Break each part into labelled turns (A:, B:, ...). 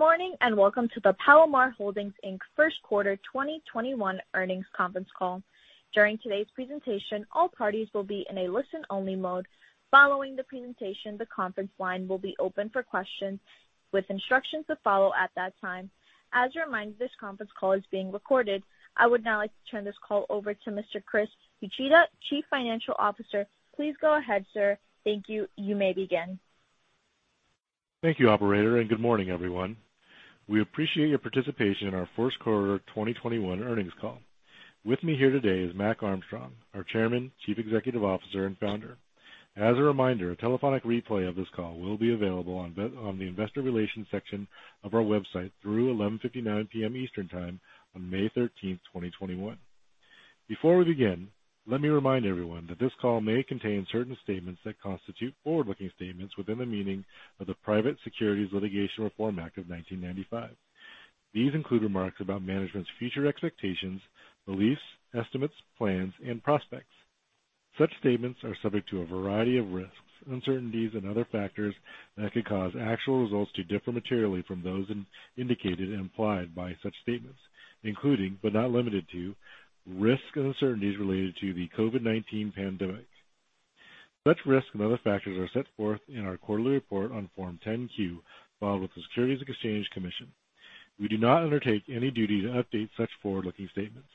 A: Good morning, and welcome to the Palomar Holdings, Inc. First Quarter 2021 Earnings Conference Call. During today's presentation, all parties will be in a listen-only mode. Following the presentation, the conference line will be open for questions with instructions to follow at that time. As a reminder, this conference call is being recorded. I would now like to turn this call over to Mr. Chris Uchida, Chief Financial Officer. Please go ahead, sir. Thank you. You may begin.
B: Thank you, operator, and good morning, everyone. We appreciate your participation in our First Quarter 2021 earnings call. With me here today is Mac Armstrong, our Chairman, Chief Executive Officer, and Founder. As a reminder, a telephonic replay of this call will be available on the investor relations section of our website through 11:59 P.M. Eastern Time on May 13th, 2021. Before we begin, let me remind everyone that this call may contain certain statements that constitute forward-looking statements within the meaning of the Private Securities Litigation Reform Act of 1995. These include remarks about management's future expectations, beliefs, estimates, plans, and prospects. Such statements are subject to a variety of risks, uncertainties, and other factors that could cause actual results to differ materially from those indicated and implied by such statements, including, but not limited to, risks and uncertainties related to the COVID-19 pandemic. Such risks and other factors are set forth in our quarterly report on Form 10-Q filed with the Securities and Exchange Commission. We do not undertake any duty to update such forward-looking statements.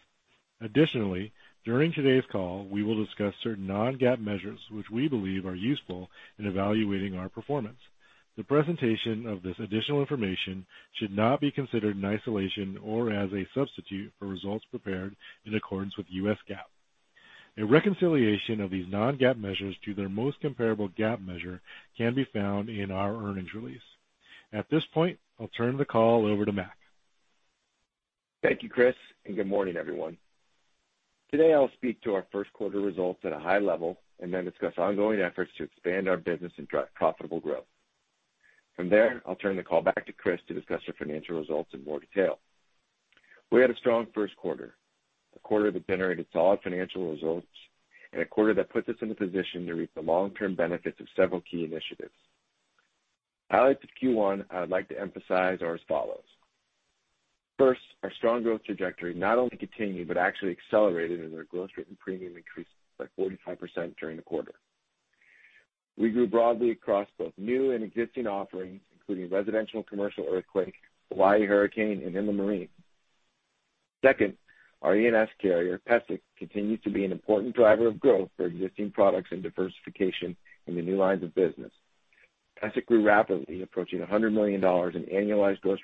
B: Additionally, during today's call, we will discuss certain non-GAAP measures which we believe are useful in evaluating our performance. The presentation of this additional information should not be considered in isolation or as a substitute for results prepared in accordance with U.S. GAAP. A reconciliation of these non-GAAP measures to their most comparable GAAP measure can be found in our earnings release. At this point, I'll turn the call over to Mac.
C: Thank you, Chris, and good morning, everyone. Today, I'll speak to our First Quarter results at a high level and then discuss ongoing efforts to expand our business and drive profitable growth. From there, I'll turn the call back to Chris to discuss our financial results in more detail. We had a strong First Quarter, a quarter that generated solid financial results and a quarter that puts us in the position to reap the long-term benefits of several key initiatives. Highlights of Q1 I would like to emphasize are as follows. First, our strong growth trajectory not only continued but actually accelerated as our gross written premium increased by 45% during the quarter. We grew broadly across both new and existing offerings, including residential, commercial earthquake, Hawaii hurricane, and inland marine. Second, our E&S carrier, PESIC, continues to be an important driver of growth for existing products and diversification in the new lines of business. PESIC grew rapidly, approaching $100 million in annualized gross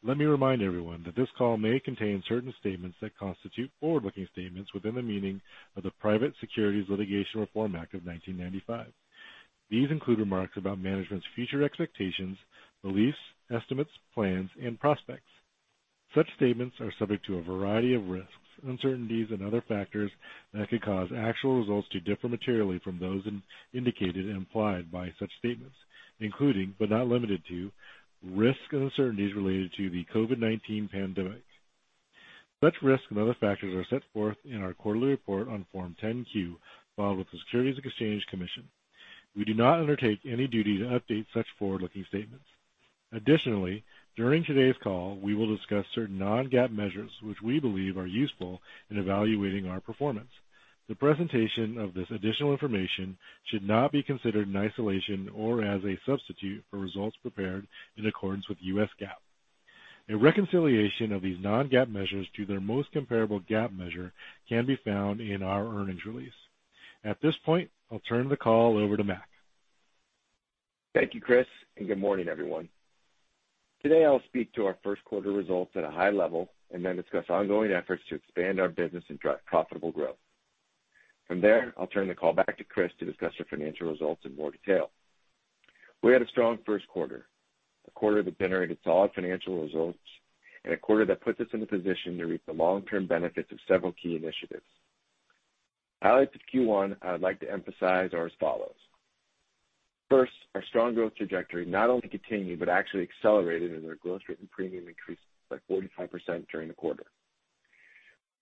C: written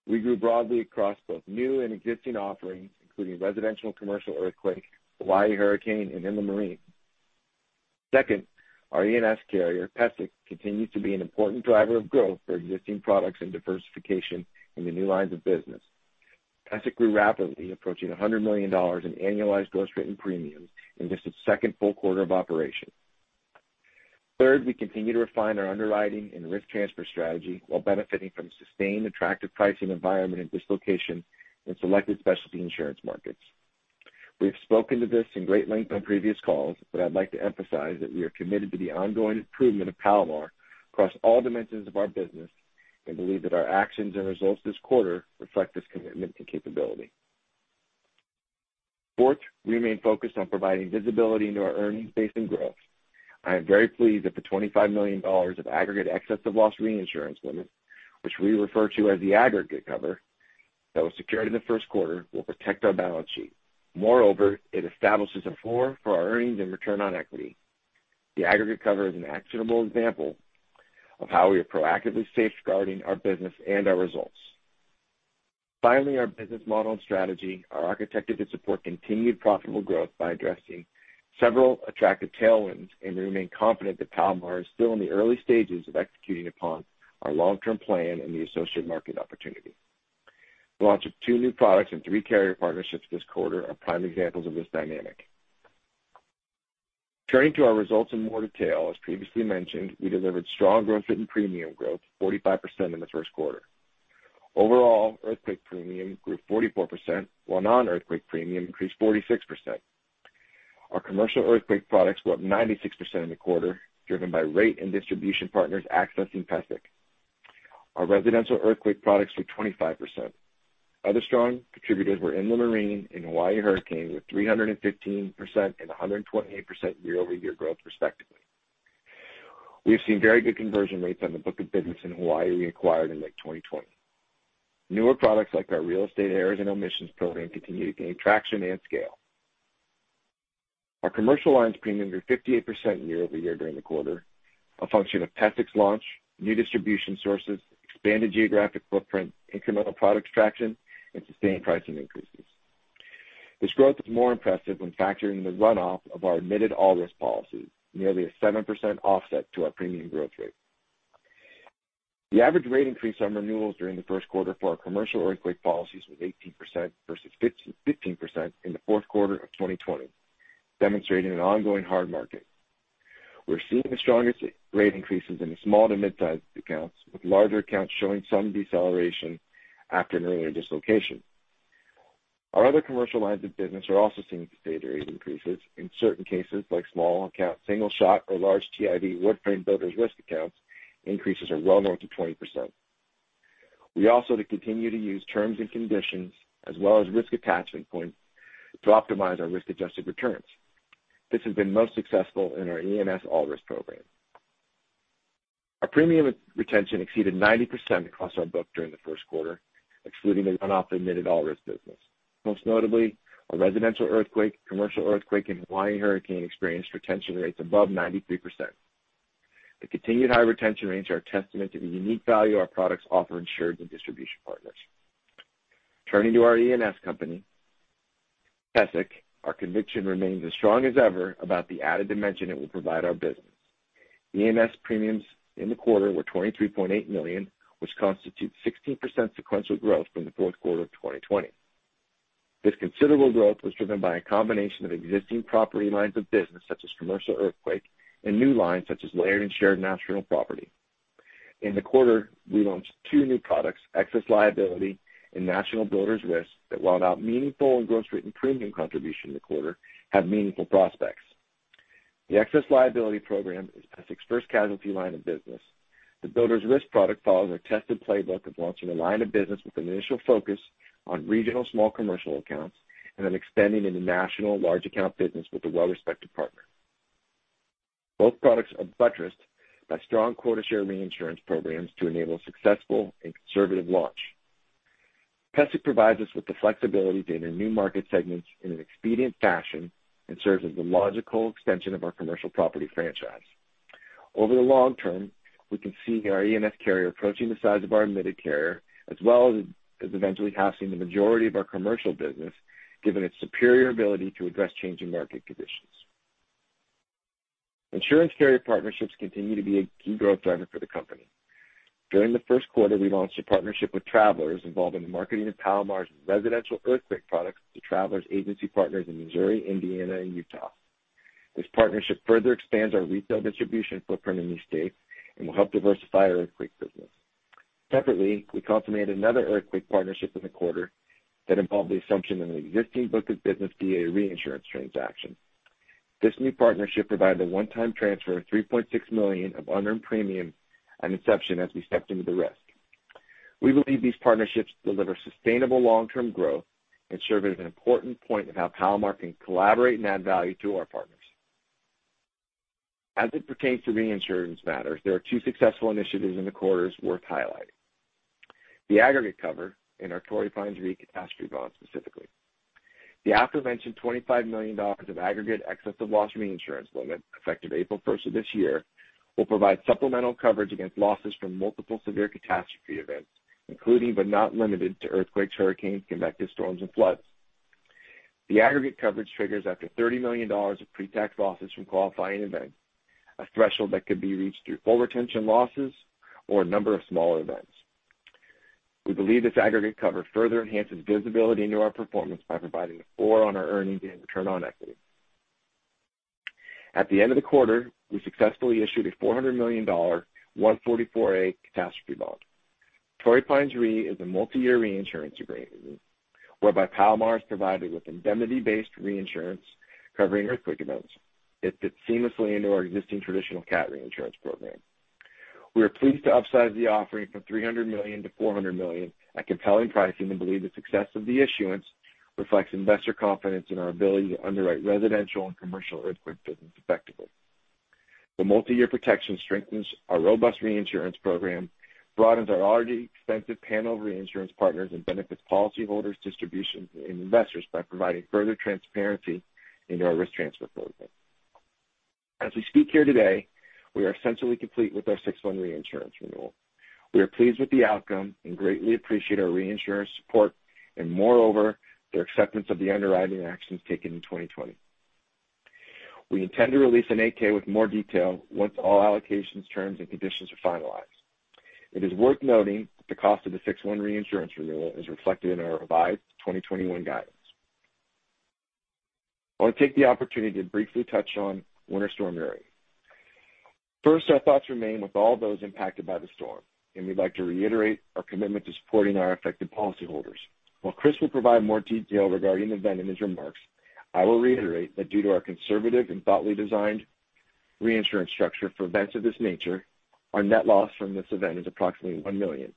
C: premiums in just its second full quarter of operation. I am very pleased that the $25 million of aggregate excess of loss reinsurance limits, which we refer to as the aggregate cover, that was secured in the first quarter will protect our balance sheet. Moreover, it establishes a floor for our earnings and return on equity. The aggregate cover is an actionable example of how we are proactively safeguarding our business and our results. Finally, our business model and strategy are architected to support continued profitable growth by addressing several attractive tailwinds, and we remain confident that Palomar is still in the early stages of executing upon our long-term plan and the associated market opportunity. The launch of two new products and three carrier partnerships this quarter are prime examples of this dynamic. Turning to our results in more detail, as previously mentioned, we delivered strong gross written premium growth, 45% in the first quarter. Overall, earthquake premium grew 44%, while non-earthquake premium increased 46%. Our commercial earthquake products were up 96% in the quarter, driven by rate and distribution partners accessing PESIC. Our residential earthquake products were 25%. Other strong contributors were inland marine and Hawaii hurricane, with 315% and 128% year-over-year growth respectively. We've seen very good conversion rates on the book of business in Hawaii we acquired in late 2020. Newer products like our real estate errors and omissions program continue to gain traction and scale. Our commercial lines premium grew 58% year-over-year during the quarter, a function of PESIC's launch, new distribution sources, expanded geographic footprint, incremental product traction, and sustained pricing increases. This growth is more impressive when factoring the runoff of our admitted all-risk policies, nearly a 7% offset to our premium growth rate. The average rate increase on renewals during the first quarter for our commercial earthquake policies was 18%, versus 15% in the fourth quarter of 2020, demonstrating an ongoing hard market. We're seeing the strongest rate increases in the small to midsize accounts, with larger accounts showing some deceleration after an earlier dislocation. Our other commercial lines of business are also seeing sustained rate increases. In certain cases like small account single shot or large TIV wood-frame builders risk accounts, increases are well north of 20%. We also continue to use terms and conditions as well as risk attachment points to optimize our risk-adjusted returns. This has been most successful in our E&S all-risk program. Our premium retention exceeded 90% across our book during the first quarter, excluding the runoff admitted all-risk business. Most notably, our residential earthquake, commercial earthquake and Hawaii hurricane experienced retention rates above 93%. The continued high retention rates are a testament to the unique value our products offer insureds and distribution partners. Turning to our E&S company, PESIC, our conviction remains as strong as ever about the added dimension it will provide our business. E&S premiums in the quarter were $23.8 million, which constitutes 16% sequential growth from the fourth quarter of 2020. This considerable growth was driven by a combination of existing property lines of business such as commercial earthquake and new lines such as layered and shared national property. In the quarter, we launched two new products, excess liability and national builders risk, that while not meaningful in gross written premium contribution in the quarter, have meaningful prospects. The excess liability program is PESIC's first casualty line of business. The builders risk product follows our tested playbook of launching a line of business with an initial focus on regional small commercial accounts and then expanding into national large account business with a well-respected partner. Both products are buttressed by strong quota share reinsurance programs to enable a successful and conservative launch. PESIC provides us with the flexibility to enter new market segments in an expedient fashion and serves as the logical extension of our commercial property franchise. Over the long term, we can see our E&S carrier approaching the size of our admitted carrier, as well as eventually housing the majority of our commercial business, given its superior ability to address changing market conditions. Insurance carrier partnerships continue to be a key growth driver for the company. During the first quarter, we launched a partnership with Travelers involving the marketing of Palomar's residential earthquake products to Travelers agency partners in Missouri, Indiana and Utah. This partnership further expands our retail distribution footprint in these states and will help diversify our earthquake business. Separately, we consummated another earthquake partnership in the quarter that involved the assumption of an existing book of business via a reinsurance transaction. This new partnership provided a one-time transfer of $3.6 million of unearned premium and inception as we stepped into the risk. We believe these partnerships deliver sustainable long-term growth and serve as an important point of how Palomar can collaborate and add value to our partners. As it pertains to reinsurance matters, there are two successful initiatives in the quarter worth highlighting. The aggregate cover in our Torrey Pines Re catastrophe bond specifically. The aforementioned $25 million of aggregate excess of loss reinsurance limit, effective April 1st of this year, will provide supplemental coverage against losses from multiple severe catastrophe events, including, but not limited to, earthquakes, hurricanes, convective storms, and floods. The aggregate coverage triggers after $30 million of pre-tax losses from qualifying events, a threshold that could be reached through full retention losses or a number of smaller events. We believe this aggregate cover further enhances visibility into our performance by providing a floor on our earnings and return on equity. At the end of the quarter, we successfully issued a $400 million 144A catastrophe bond. Torrey Pines Re is a multi-year reinsurance agreement whereby Palomar is provided with indemnity-based reinsurance covering earthquake events. It fits seamlessly into our existing traditional cat reinsurance program. We are pleased to upsize the offering from $300 million to $400 million at compelling pricing, and believe the success of the issuance reflects investor confidence in our ability to underwrite residential and commercial earthquake business effectively. The multi-year protection strengthens our robust reinsurance program, broadens our already extensive panel of reinsurance partners, and benefits policyholders, distribution, and investors by providing further transparency into our risk transfer program. As we speak here today, we are essentially complete with our six-month reinsurance renewal. We are pleased with the outcome and greatly appreciate our reinsurers' support and, moreover, their acceptance of the underwriting actions taken in 2020. We intend to release an 8-K with more detail once all allocations, terms, and conditions are finalized. It is worth noting that the cost of the six-one reinsurance renewal is reflected in our revised 2021 guidance. I want to take the opportunity to briefly touch on Winter Storm Uri. First, our thoughts remain with all those impacted by the storm, and we'd like to reiterate our commitment to supporting our affected policyholders. While Chris will provide more detail regarding the event in his remarks, I will reiterate that due to our conservative and thoughtfully designed reinsurance structure for events of this nature, our net loss from this event is approximately $1 million,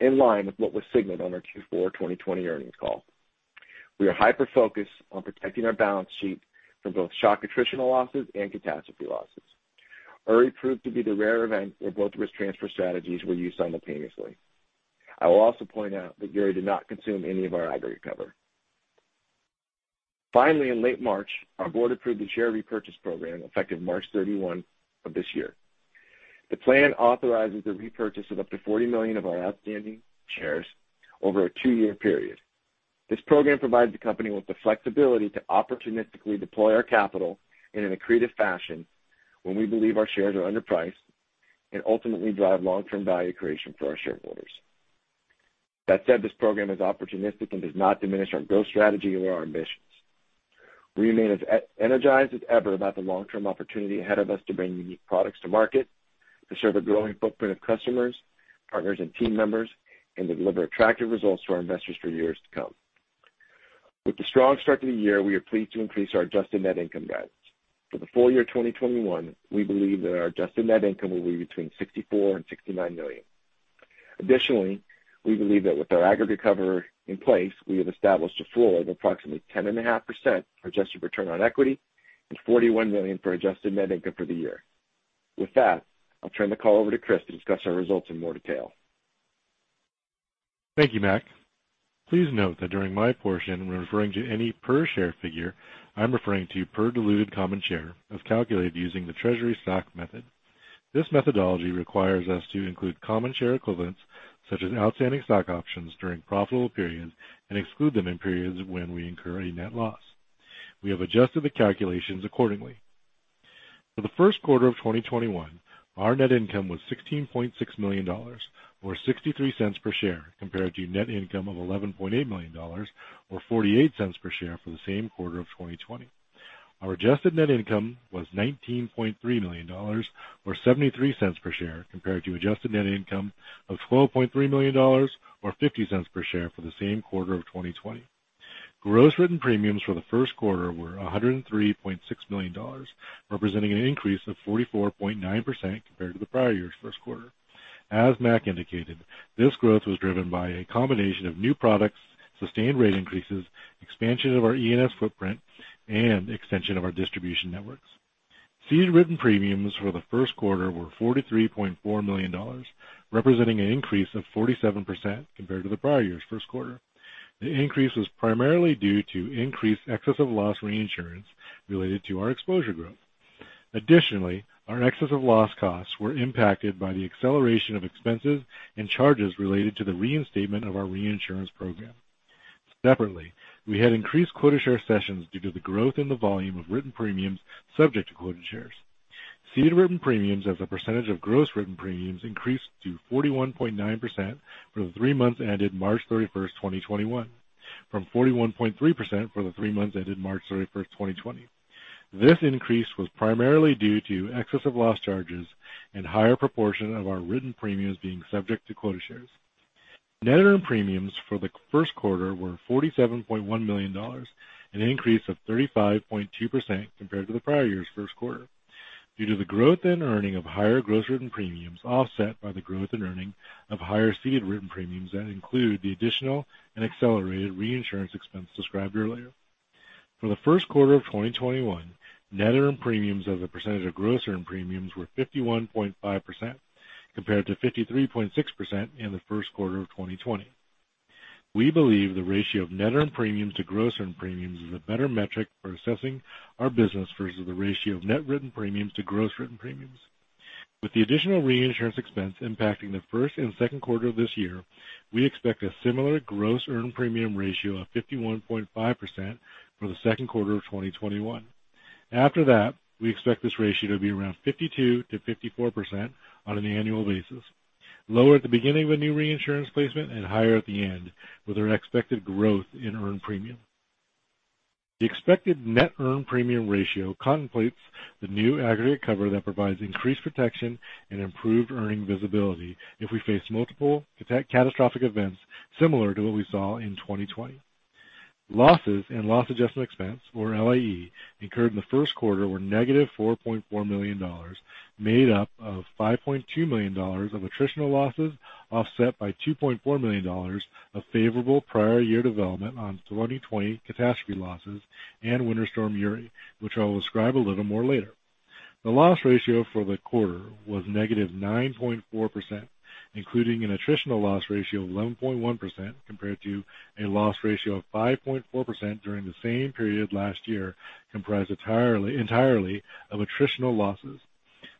C: in line with what was signaled on our Q4 2020 earnings call. We are hyper-focused on protecting our balance sheet from both shock attritional losses and catastrophe losses. Uri proved to be the rare event where both risk transfer strategies were used simultaneously. I will also point out that Uri did not consume any of our aggregate cover. Finally, in late March, our board approved the share repurchase program effective March 31 of this year. The plan authorizes the repurchase of up to $40 million of our outstanding shares over a two-year period. This program provides the company with the flexibility to opportunistically deploy our capital in an accretive fashion when we believe our shares are underpriced and ultimately drive long-term value creation for our shareholders. That said, this program is opportunistic and does not diminish our growth strategy or our ambitions. We remain as energized as ever about the long-term opportunity ahead of us to bring unique products to market, to serve a growing footprint of customers, partners, and team members, and to deliver attractive results to our investors for years to come. With the strong start to the year, we are pleased to increase our adjusted net income guidance. For the full year 2021, we believe that our adjusted net income will be between $64 million and $69 million. Additionally, we believe that with our aggregate cover in place, we have established a floor of approximately 10.5% for adjusted return on equity and $41 million for adjusted net income for the year. With that, I'll turn the call over to Chris to discuss our results in more detail.
B: Thank you, Mac. Please note that during my portion, when referring to any per share figure, I'm referring to per diluted common share as calculated using the treasury stock method. This methodology requires us to include common share equivalents, such as outstanding stock options during profitable periods and exclude them in periods when we incur a net loss. We have adjusted the calculations accordingly. For the first quarter of 2021, our net income was $16.6 million, or $0.63 per share, compared to net income of $11.8 million, or $0.48 per share for the same quarter of 2020. Our adjusted net income was $19.3 million, or $0.73 per share, compared to adjusted net income of $12.3 million, or $0.50 per share for the same quarter of 2020. Gross written premiums for the first quarter were $103.6 million, representing an increase of 44.9% compared to the prior year's first quarter. As Mac indicated, this growth was driven by a combination of new products, sustained rate increases, expansion of our E&S footprint, and extension of our distribution networks. Ceded written premiums for the first quarter were $43.4 million, representing an increase of 47% compared to the prior year's first quarter. The increase was primarily due to increased excess of loss reinsurance related to our exposure growth. Our excess of loss costs were impacted by the acceleration of expenses and charges related to the reinstatement of our reinsurance program. We had increased quota share cessions due to the growth in the volume of written premiums subject to quota shares. Ceded written premiums as a percentage of gross written premiums increased to 41.9% for the three months ended March 31st, 2021, from 41.3% for the three months ended March 31st, 2020. This increase was primarily due to excess of loss charges and higher proportion of our written premiums being subject to quota shares. Net earned premiums for the first quarter were $47.1 million, an increase of 35.2% compared to the prior year's first quarter due to the growth and earning of higher gross written premiums, offset by the growth and earning of higher ceded written premiums that include the additional and accelerated reinsurance expense described earlier. For the first quarter of 2021, net earned premiums as a percentage of gross earned premiums were 51.5%, compared to 53.6% in the first quarter of 2020. We believe the ratio of net earned premiums to gross earned premiums is a better metric for assessing our business versus the ratio of net written premiums to gross written premiums. With the additional reinsurance expense impacting the first and second quarter of this year, we expect a similar gross earned premium ratio of 51.5% for the second quarter of 2021. After that, we expect this ratio to be around 52%-54% on an annual basis, lower at the beginning of a new reinsurance placement and higher at the end, with our expected growth in earned premium. The expected net earned premium ratio contemplates the new aggregate cover that provides increased protection and improved earning visibility if we face multiple catastrophic events similar to what we saw in 2020. Losses and loss adjustment expense, or LAE, incurred in the first quarter were negative $4.4 million, made up of $5.2 million of attritional losses, offset by $2.4 million of favorable prior year development on 2020 catastrophe losses and Winter Storm Uri, which I will describe a little more later. The loss ratio for the quarter was negative 9.4%, including an attritional loss ratio of 11.1%, compared to a loss ratio of 5.4% during the same period last year, comprised entirely of attritional losses.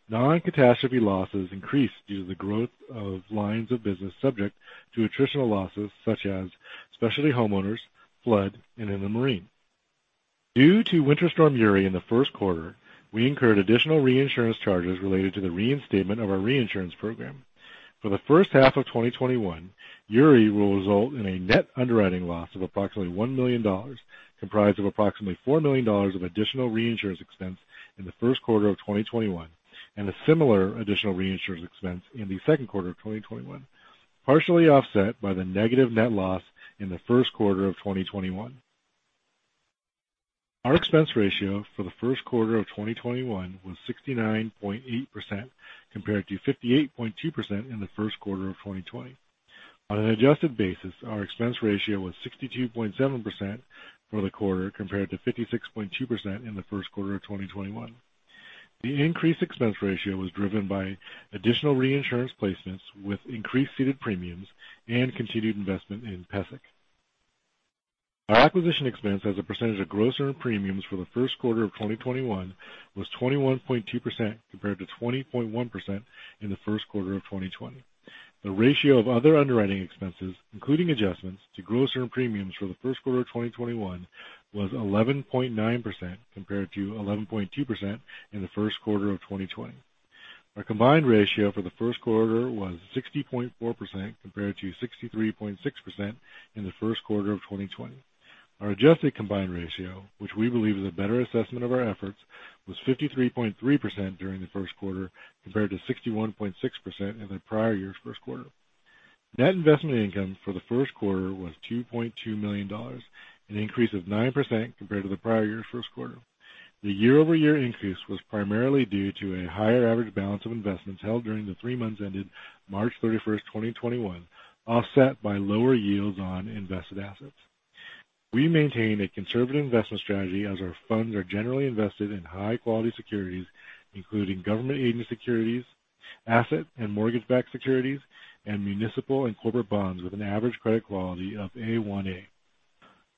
B: Non-catastrophe losses increased due to the growth of lines of business subject to attritional losses such as specialty homeowners, flood, and inland marine. Due to Winter Storm Uri in the first quarter, we incurred additional reinsurance charges related to the reinstatement of our reinsurance program. For the first half of 2021, Uri will result in a net underwriting loss of approximately $1 million, comprised of approximately $4 million of additional reinsurance expense in the first quarter of 2021, and a similar additional reinsurance expense in the second quarter of 2021, partially offset by the negative net loss in the first quarter of 2021. Our expense ratio for the first quarter of 2021 was 69.8%, compared to 58.2% in the first quarter of 2020. On an adjusted basis, our expense ratio was 62.7% for the quarter, compared to 56.2% in the first quarter of 2021. The increased expense ratio was driven by additional reinsurance placements with increased ceded premiums and continued investment in PESIC. Our acquisition expense as a percentage of gross earned premiums for the first quarter of 2021 was 21.2%, compared to 20.1% in the first quarter of 2020. The ratio of other underwriting expenses, including adjustments to gross earned premiums for the first quarter of 2021, was 11.9%, compared to 11.2% in the first quarter of 2020. Our combined ratio for the first quarter was 60.4%, compared to 63.6% in the first quarter of 2020. Our adjusted combined ratio, which we believe is a better assessment of our efforts, was 53.3% during the first quarter, compared to 61.6% in the prior year's first quarter. Net investment income for the first quarter was $2.2 million, an increase of 9% compared to the prior year's first quarter. The year-over-year increase was primarily due to a higher average balance of investments held during the three months ended March 31st, 2021, offset by lower yields on invested assets. We maintain a conservative investment strategy as our funds are generally invested in high-quality securities, including government agency securities, asset and mortgage-backed securities, and municipal and corporate bonds with an average credit quality of A1/A.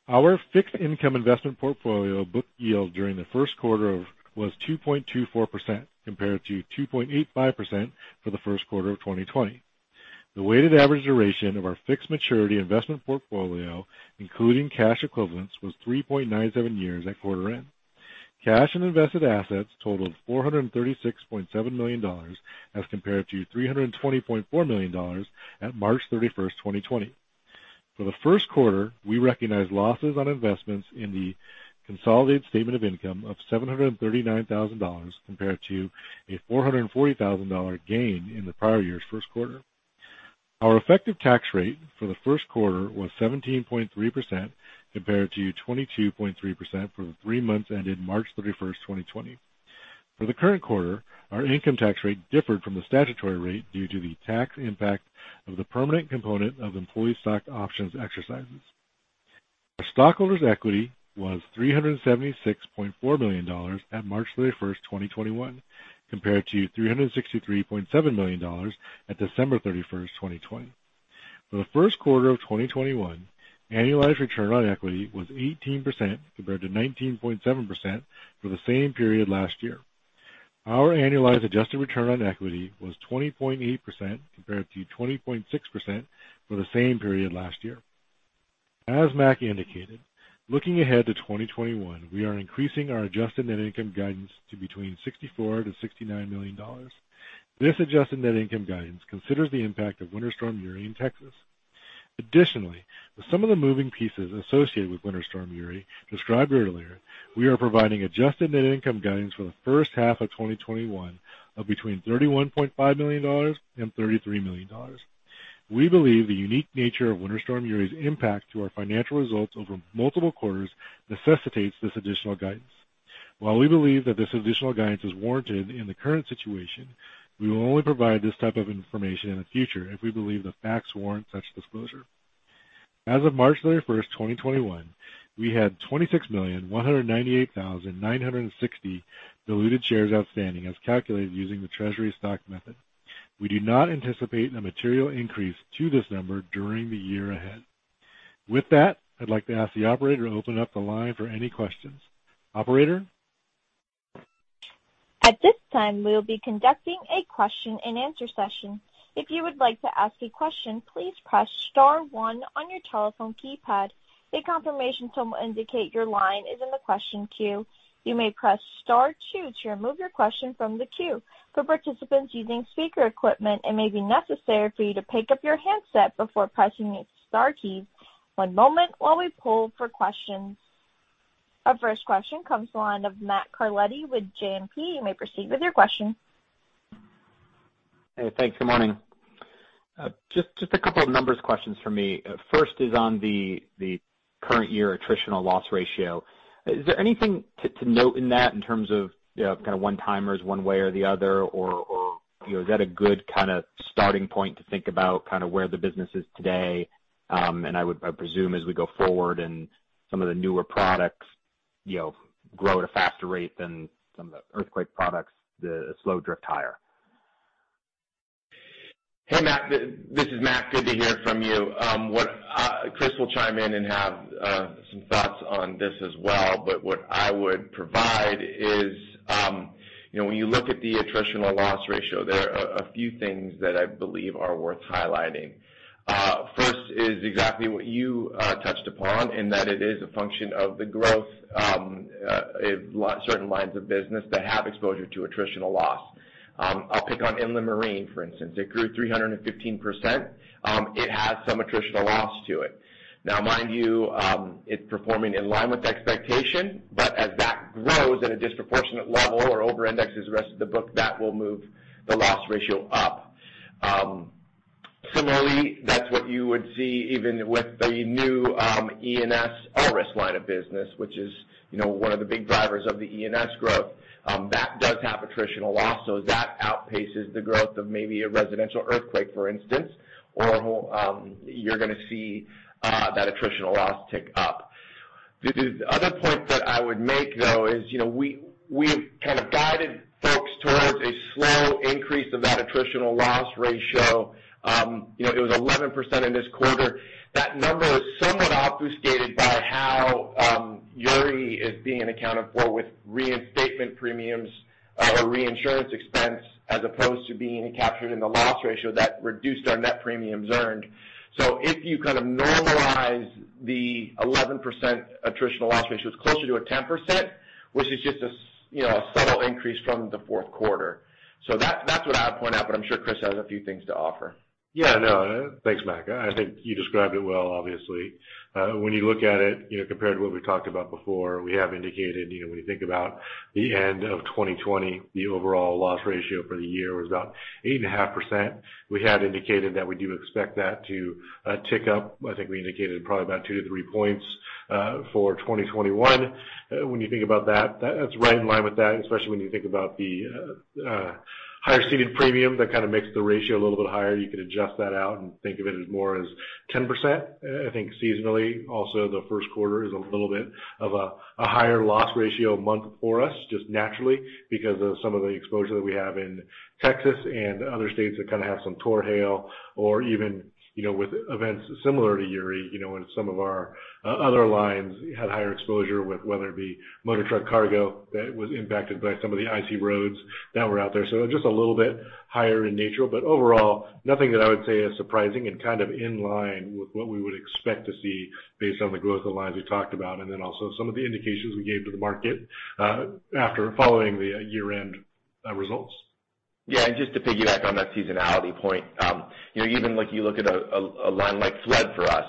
B: Our fixed income investment portfolio book yield during the first quarter was 2.24%, compared to 2.85% for the first quarter of 2020. The weighted average duration of our fixed maturity investment portfolio, including cash equivalents, was 3.97 years at quarter end. Cash and invested assets totaled $436.7 million as compared to $320.4 million at March 31st, 2020. For the first quarter, we recognized losses on investments in the consolidated statement of income of $739,000 compared to a $440,000 gain in the prior year's first quarter. Our effective tax rate for the first quarter was 17.3% compared to 22.3% for the three months ended March 31st, 2020. For the current quarter, our income tax rate differed from the statutory rate due to the tax impact of the permanent component of employee stock options exercises. Our stockholders' equity was $376.4 million at March 31st, 2021, compared to $363.7 million at December 31st, 2020. For the first quarter of 2021, annualized return on equity was 18%, compared to 19.7% for the same period last year. Our annualized adjusted return on equity was 20.8%, compared to 20.6% for the same period last year. As Mac indicated, looking ahead to 2021, we are increasing our adjusted net income guidance to between $64 million-$69 million. This adjusted net income guidance considers the impact of Winter Storm Uri in Texas. Additionally, with some of the moving pieces associated with Winter Storm Uri described earlier, we are providing adjusted net income guidance for the first half of 2021 of between $31.5 million and $33 million. We believe the unique nature of Winter Storm Uri's impact to our financial results over multiple quarters necessitates this additional guidance. While we believe that this additional guidance is warranted in the current situation, we will only provide this type of information in the future if we believe the facts warrant such disclosure. As of March 31st, 2021, we had 26,198,960 diluted shares outstanding as calculated using the treasury stock method. We do not anticipate a material increase to this number during the year ahead. With that, I'd like to ask the operator to open up the line for any questions. Operator?
A: At this time, we will be conducting a question and answer session. If you would like to ask a question, please press star one on your telephone keypad. A confirmation tone will indicate your line is in the question queue. You may press star two to remove your question from the queue. For participants using speaker equipment, it may be necessary for you to pick up your handset before pressing the star key. One moment while we poll for questions. Our first question comes to the line of Matt Carletti with JMP. You may proceed with your question.
D: Hey, thanks. Good morning. Just a couple of numbers questions for me. First is on the current year attritional loss ratio. Is there anything to note in that in terms of one-timers one way or the other, or is that a good starting point to think about where the business is today? I would presume as we go forward and some of the newer products grow at a faster rate than some of the earthquake products, the slow drift higher.
C: Hey, Matt. This is Mac. Good to hear from you. Chris will chime in and have some thoughts on this as well. What I would provide is, when you look at the attritional loss ratio, there are a few things that I believe are worth highlighting. First is exactly what you touched upon, and that it is a function of the growth of certain lines of business that have exposure to attritional loss. I'll pick on inland marine, for instance. It grew 315%. It has some attritional loss to it. Now, mind you, it's performing in line with expectation, but as that grows at a disproportionate level or over-indexes the rest of the book, that will move the loss ratio up. Similarly, that's what you would see even with the new E&S all-risk line of business, which is one of the big drivers of the E&S growth. That does have attritional loss, so as that outpaces the growth of maybe a residential earthquake, for instance, you're going to see that attritional loss tick up. The other point that I would make, though, is we've kind of guided folks towards a slow increase of that attritional loss ratio. It was 11% in this quarter. That number is somewhat obfuscated by how Uri is being accounted for with reinstatement premiums or reinsurance expense as opposed to being captured in the loss ratio that reduced our net premiums earned. If you kind of normalize the 11% attritional loss ratio, it's closer to a 10%, which is just a subtle increase from the fourth quarter. That's what I would point out, but I'm sure Chris has a few things to offer.
B: Yeah. No, thanks, Matt. I think you described it well, obviously. When you look at it compared to what we talked about before, we have indicated when you think about the end of 2020, the overall loss ratio for the year was about 8.5%. We had indicated that we do expect that to tick up. I think we indicated probably about two to three points for 2021. When you think about that's right in line with that, especially when you think about the higher ceded premium. That kind of makes the ratio a little bit higher. You could adjust that out and think of it as more as 10%. I think seasonally, also, the first quarter is a little bit of a higher loss ratio month for us, just naturally because of some of the exposure that we have in Texas and other states that kind of have some tor-hail or even with events similar to Uri, and some of our other lines had higher exposure with whether it be motor truck cargo that was impacted by some of the icy roads that were out there. Just a little bit higher in nature, but overall, nothing that I would say is surprising and kind of in line with what we would expect to see based on the growth of lines we talked about, and then also some of the indications we gave to the market after following the year-end results.
C: Just to piggyback on that seasonality point. Even like you look at a line like flood for us,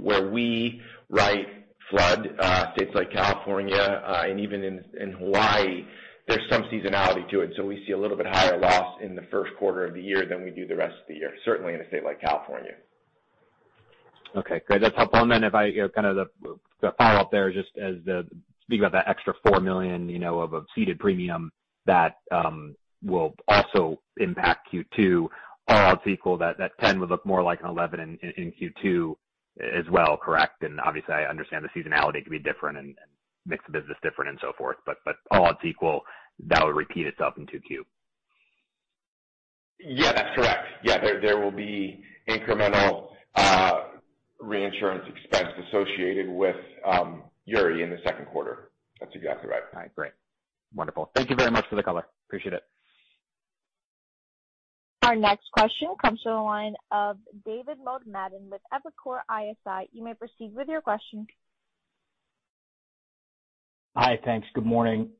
C: where we write flood, states like California, and even in Hawaii, there's some seasonality to it. We see a little bit higher loss in the first quarter of the year than we do the rest of the year, certainly in a state like California.
D: Okay, great. That's helpful. If I kind of follow up there, just as speaking about that extra $4 million of a ceded premium that will also impact Q2, all else equal, that 10 would look more like an 11 in Q2 as well, correct? Obviously, I understand the seasonality could be different and mix of business different and so forth, but all else equal, that would repeat itself in 2Q.
C: That's correct. There will be incremental reinsurance expense associated with Uri in the second quarter. That's exactly right.
D: All right, great. Wonderful. Thank you very much for the color. Appreciate it.
A: Our next question comes to the line of David Motemaden with Evercore ISI. You may proceed with your question.
E: Hi, thanks. Good morning.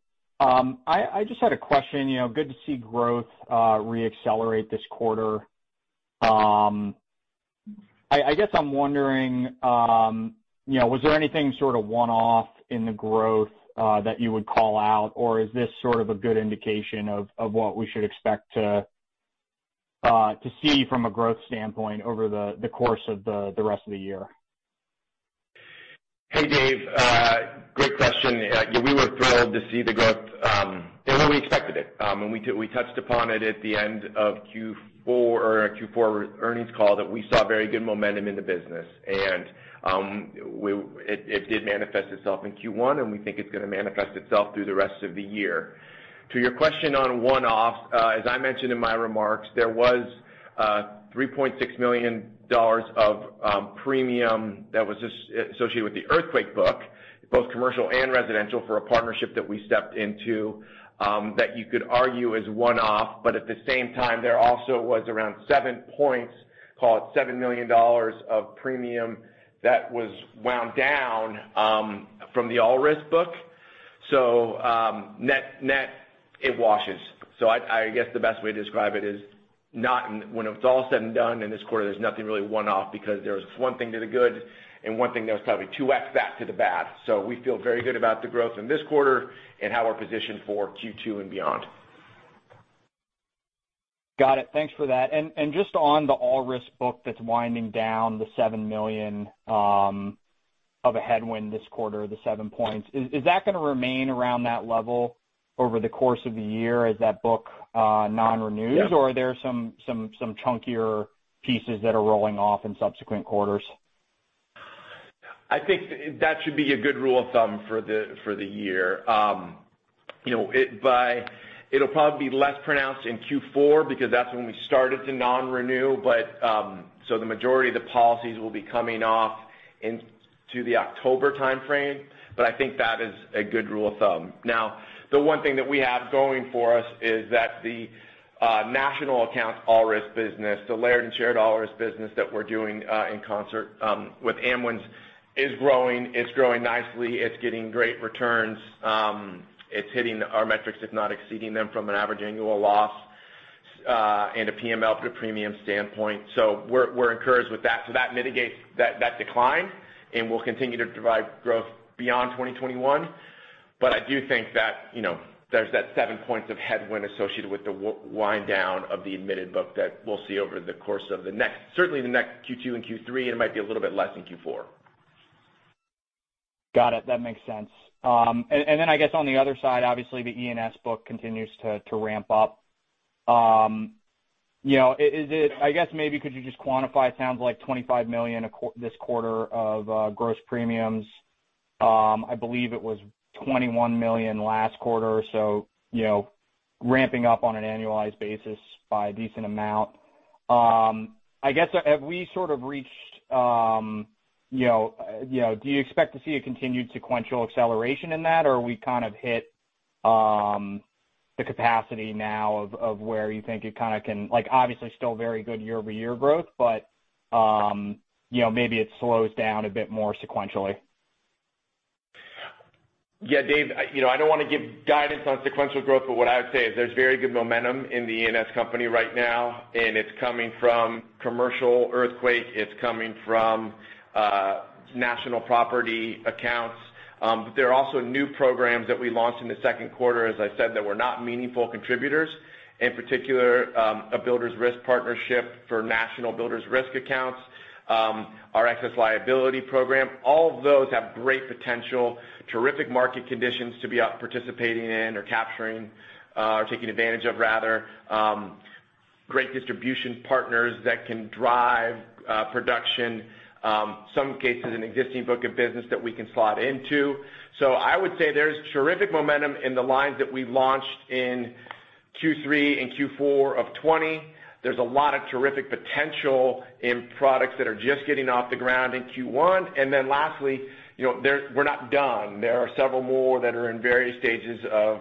E: I just had a question. Good to see growth re-accelerate this quarter. I guess I'm wondering, was there anything sort of one-off in the growth that you would call out, or is this sort of a good indication of what we should expect to see from a growth standpoint over the course of the rest of the year.
C: Hey, Dave. Great question. Yeah, we were thrilled to see the growth and where we expected it. We touched upon it at the end of Q4 earnings call that we saw very good momentum in the business. It did manifest itself in Q1, and we think it's going to manifest itself through the rest of the year. To your question on one-offs, as I mentioned in my remarks, there was $3.6 million of premium that was associated with the earthquake book, both commercial and residential, for a partnership that we stepped into, that you could argue is one-off. At the same time, there also was around seven points, call it $7 million of premium that was wound down from the all-risk book. Net, it washes. I guess the best way to describe it is when it's all said and done in this quarter, there's nothing really one-off because there was one thing to the good and one thing that was probably 2x that to the bad. We feel very good about the growth in this quarter and how we're positioned for Q2 and beyond.
E: Got it. Thanks for that. Just on the all-risk book that's winding down the $7 million of a headwind this quarter, the 7 points, is that going to remain around that level over the course of the year as that book non-renews?
C: Yeah.
E: Are there some chunkier pieces that are rolling off in subsequent quarters?
C: I think that should be a good rule of thumb for the year. It'll probably be less pronounced in Q4 because that's when we started to non-renew, the majority of the policies will be coming off into the October timeframe. I think that is a good rule of thumb. The one thing that we have going for us is that the national accounts all-risk business, the layered and shared all-risk business that we're doing in concert with Amwins is growing. It's growing nicely. It's getting great returns. It's hitting our metrics, if not exceeding them from an average annual loss and a PML to premium standpoint. We're encouraged with that. That mitigates that decline and will continue to drive growth beyond 2021. I do think that there's that 7 points of headwind associated with the wind down of the admitted book that we'll see over the course of certainly the next Q2 and Q3, and it might be a little bit less in Q4.
E: Got it. That makes sense. I guess on the other side, obviously the E&S book continues to ramp up. I guess maybe could you just quantify, it sounds like $25 million this quarter of gross premiums. I believe it was $21 million last quarter. Ramping up on an annualized basis by a decent amount. Do you expect to see a continued sequential acceleration in that, or we kind of hit the capacity now of where you think it kind of can? Obviously still very good year-over-year growth, but maybe it slows down a bit more sequentially.
C: Yeah, David Motemaden, I don't want to give guidance on sequential growth, what I would say is there's very good momentum in the E&S company right now, and it's coming from commercial earthquake, it's coming from national property accounts. There are also new programs that we launched in the second quarter, as I said, that were not meaningful contributors, in particular, a builder's risk partnership for national builder's risk accounts, our excess liability program. All of those have great potential, terrific market conditions to be out participating in or capturing, or taking advantage of rather, great distribution partners that can drive production, some cases an existing book of business that we can slot into. I would say there's terrific momentum in the lines that we launched in Q3 and Q4 of 2020. There's a lot of terrific potential in products that are just getting off the ground in Q1. Lastly, we're not done. There are several more that are in various stages of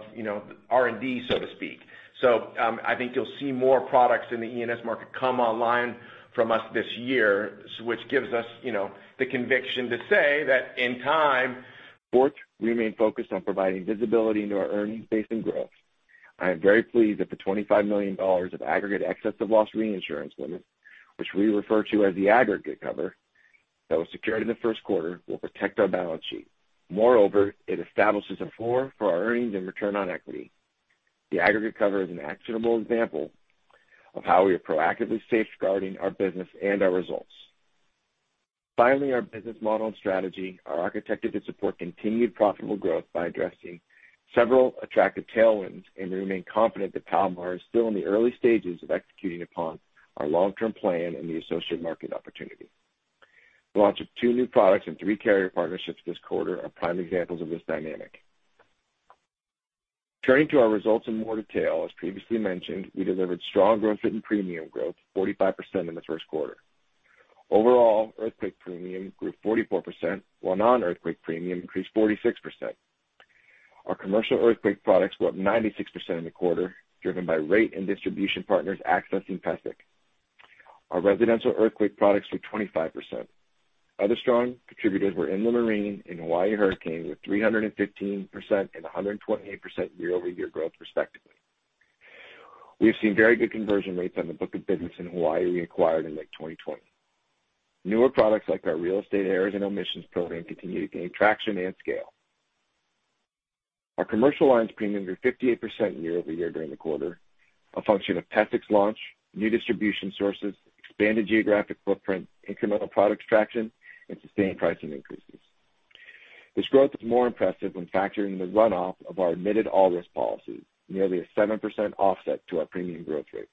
C: R&D, so to speak. I think you'll see more products in the E&S market come online from us this year, which gives us the conviction to say that in time. Fourth, we remain focused on providing visibility into our earnings base and growth. I am very pleased that the $25 million of aggregate excess of loss reinsurance limits, which we refer to as the aggregate cover, that was secured in the first quarter will protect our balance sheet. Moreover, it establishes a floor for our earnings and ROE. The aggregate cover is an actionable example of how we are proactively safeguarding our business and our results. Our business model and strategy are architected to support continued profitable growth by addressing several attractive tailwinds, and we remain confident that Palomar is still in the early stages of executing upon our long-term plan and the associated market opportunity. The launch of two new products and three carrier partnerships this quarter are prime examples of this dynamic. Turning to our results in more detail, as previously mentioned, we delivered strong written premium growth, 45% in the first quarter. Overall, earthquake premium grew 44%, while non-earthquake premium increased 46%. Our commercial earthquake products were up 96% in the quarter, driven by rate and distribution partners accessing PESIC. Our residential earthquake products were 25%. Other strong contributors were inland marine and Hawaii hurricane, with 315% and 128% year-over-year growth respectively. We've seen very good conversion rates on the book of business in Hawaii we acquired in late 2020. Newer products like our real estate errors and omissions program continue to gain traction and scale. Our commercial lines premium grew 58% year-over-year during the quarter, a function of PESIC's launch, new distribution sources, expanded geographic footprint, incremental product traction, and sustained pricing increases. This growth is more impressive when factoring in the runoff of our admitted all-risk policies, nearly a 7% offset to our premium growth rate.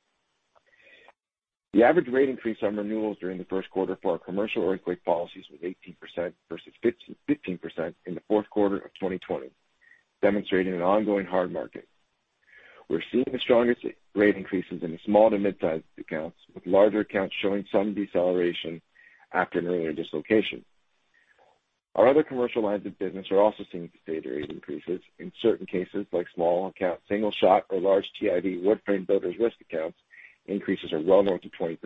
C: The average rate increase on renewals during the first quarter for our commercial earthquake policies was 18%, versus 15% in the fourth quarter of 2020, demonstrating an ongoing hard market. We're seeing the strongest rate increases in the small to midsize accounts, with larger accounts showing some deceleration after an earlier dislocation. Our other commercial lines of business are also seeing sustained rate increases. In certain cases like small account single shot or large TIV wood-frame builders risk accounts, increases are well north of 20%.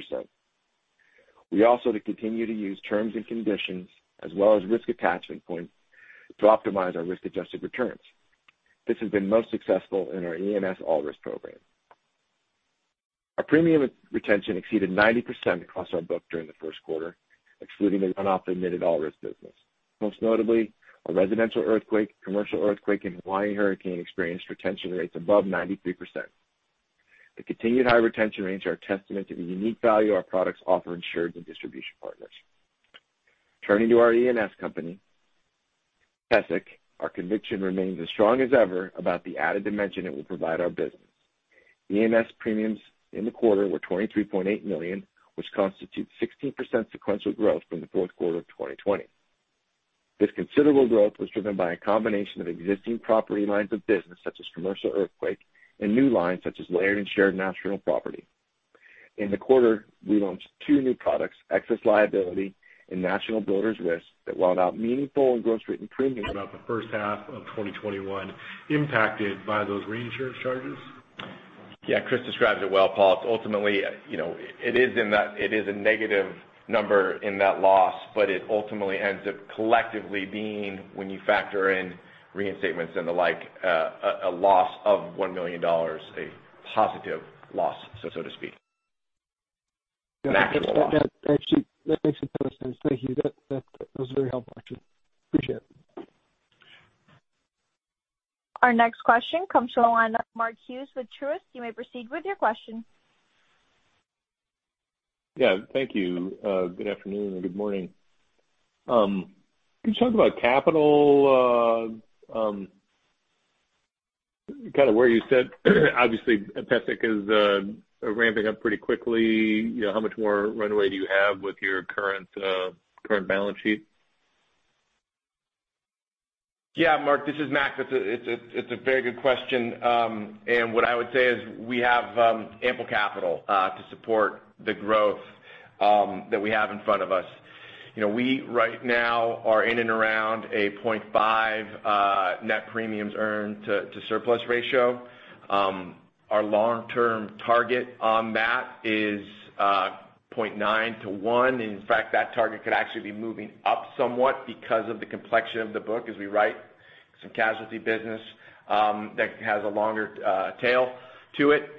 C: We also continue to use terms and conditions as well as risk attachment points to optimize our risk-adjusted returns. This has been most successful in our E&S all-risk program. Our premium retention exceeded 90% across our book during the first quarter, excluding the runoff admitted all-risk business. Most notably, our residential earthquake, commercial earthquake, and Hawaii hurricane experienced retention rates above 93%. The continued high retention rates are a testament to the unique value our products offer insureds and distribution partners. Turning to our E&S company, PESIC, our conviction remains as strong as ever about the added dimension it will provide our business. E&S premiums in the quarter were $23.8 million, which constitutes 16% sequential growth from the fourth quarter of 2020. This considerable growth was driven by a combination of existing property lines of business such as commercial earthquake, and new lines such as layered and shared national property. In the quarter, we launched two new products, excess liability and national builders risk, that while not meaningful in gross written premium.
F: About the first half of 2021 impacted by those reinsurance charges?
C: Yeah, Chris describes it well, Paul. Ultimately, it is a negative number in that loss, but it ultimately ends up collectively being, when you factor in reinstatements and the like, a loss of $1 million, a positive loss, so to speak. A natural loss.
F: Yeah. Actually, that makes a ton of sense. Thank you. That was very helpful, actually. Appreciate it.
A: Our next question comes from the line of Mark Hughes with Truist. You may proceed with your question.
G: Yeah, thank you. Good afternoon or good morning. Can you talk about capital, kind of where you sit? Obviously, PESIC is ramping up pretty quickly. How much more runway do you have with your current balance sheet?
C: Yeah, Mark, this is Mac. It's a very good question. What I would say is we have ample capital to support the growth that we have in front of us. We, right now, are in and around a 0.5 net premiums earned to surplus ratio. Our long-term target on that is 0.9 to one. In fact, that target could actually be moving up somewhat because of the complexion of the book as we write some casualty business that has a longer tail to it.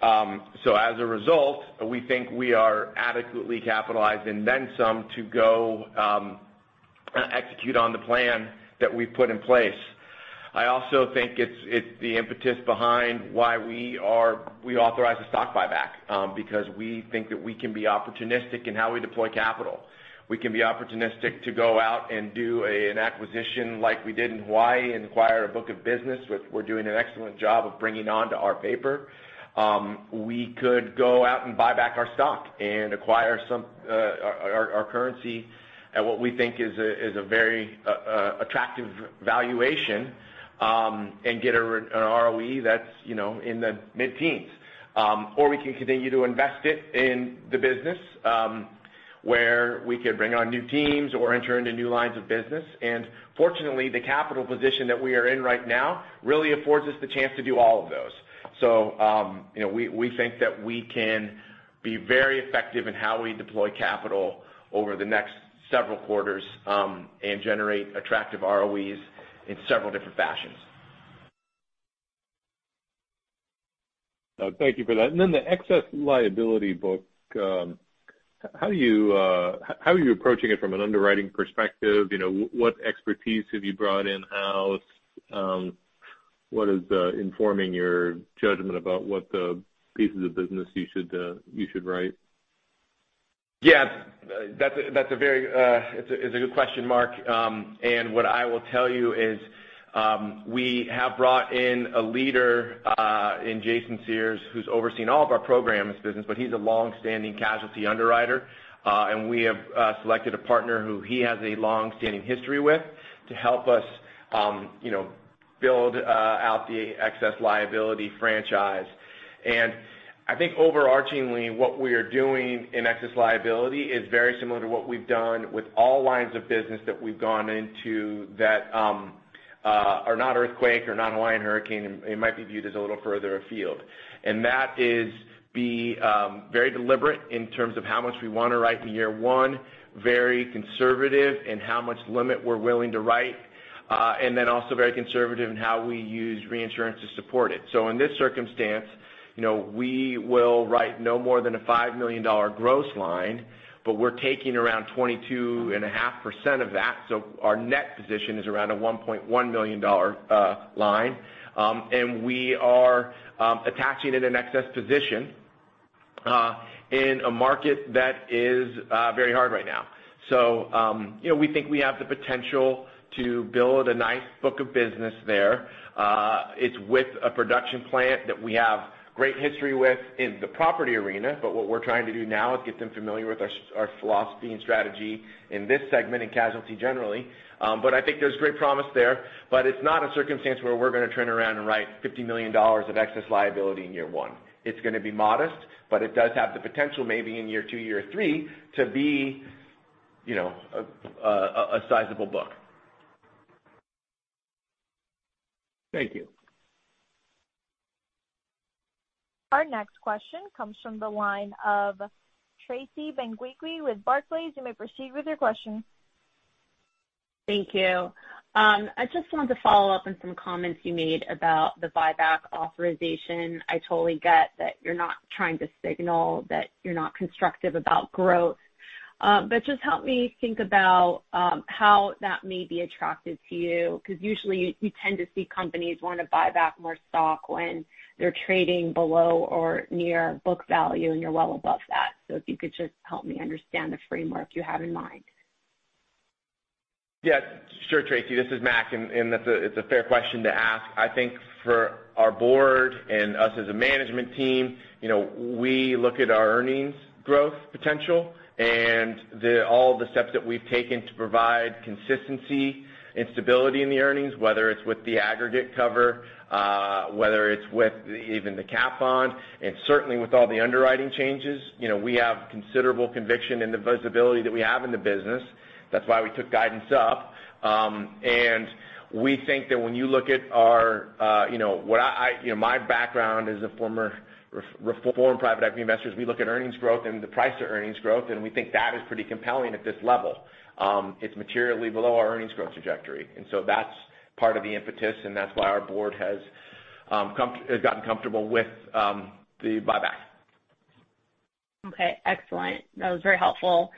C: As a result, we think we are adequately capitalized and then some to go execute on the plan that we've put in place. I also think it's the impetus behind why we authorized a stock buyback, because we think that we can be opportunistic in how we deploy capital. We can be opportunistic to go out and do an acquisition like we did in Hawaii and acquire a book of business, which we're doing an excellent job of bringing onto our paper. We could go out and buy back our stock and acquire our currency at what we think is a very attractive valuation, and get an ROE that's in the mid-teens. We can continue to invest it in the business, where we could bring on new teams or enter into new lines of business. Fortunately, the capital position that we are in right now really affords us the chance to do all of those. We think that we can be very effective in how we deploy capital over the next several quarters, and generate attractive ROEs in several different fashions.
G: Thank you for that. The excess liability book. How are you approaching it from an underwriting perspective? What expertise have you brought in-house? What is informing your judgment about what pieces of business you should write?
C: Yeah. It's a good question, Mark. What I will tell you is, we have brought in a leader in Jason Sears, who's overseeing all of our programs business, but he's a long-standing casualty underwriter. We have selected a partner who he has a long-standing history with to help us build out the excess liability franchise. I think overarchingly, what we are doing in excess liability is very similar to what we've done with all lines of business that we've gone into that are not earthquake or not Hawaiian hurricane, it might be viewed as a little further afield. That is be very deliberate in terms of how much we want to write in year one, very conservative in how much limit we're willing to write, then also very conservative in how we use reinsurance to support it. In this circumstance, we will write no more than a $5 million gross line, but we're taking around 22.5% of that, so our net position is around a $1.1 million line. We are attaching it in excess position in a market that is very hard right now. We think we have the potential to build a nice book of business there. It's with a production plant that we have great history with in the property arena. What we're trying to do now is get them familiar with our philosophy and strategy in this segment, in casualty, generally. I think there's great promise there. It's not a circumstance where we're going to turn around and write $50 million of excess liability in year one. It's going to be modest, but it does have the potential, maybe in year two, year three, to be a sizable book.
G: Thank you.
A: Our next question comes from the line of Tracy Benguigui with Barclays. You may proceed with your question.
H: Thank you. I just wanted to follow up on some comments you made about the buyback authorization. I totally get that you're not trying to signal that you're not constructive about growth. Just help me think about how that may be attractive to you, because usually you tend to see companies want to buy back more stock when they're trading below or near book value, and you're well above that. If you could just help me understand the framework you have in mind.
C: Yeah, sure, Tracy, this is Mac. It's a fair question to ask. I think for our board and us as a management team, we look at our earnings growth potential and all the steps that we've taken to provide consistency and stability in the earnings, whether it's with the aggregate cover, whether it's with even the cap on, and certainly with all the underwriting changes. We have considerable conviction in the visibility that we have in the business. That's why we took guidance up. We think that when you look at my background as a former private equity investor is we look at earnings growth and the price to earnings growth, and we think that is pretty compelling at this level. It's materially below our earnings growth trajectory. That's part of the impetus, and that's why our board has gotten comfortable with the buyback.
H: Okay, excellent. That was very helpful.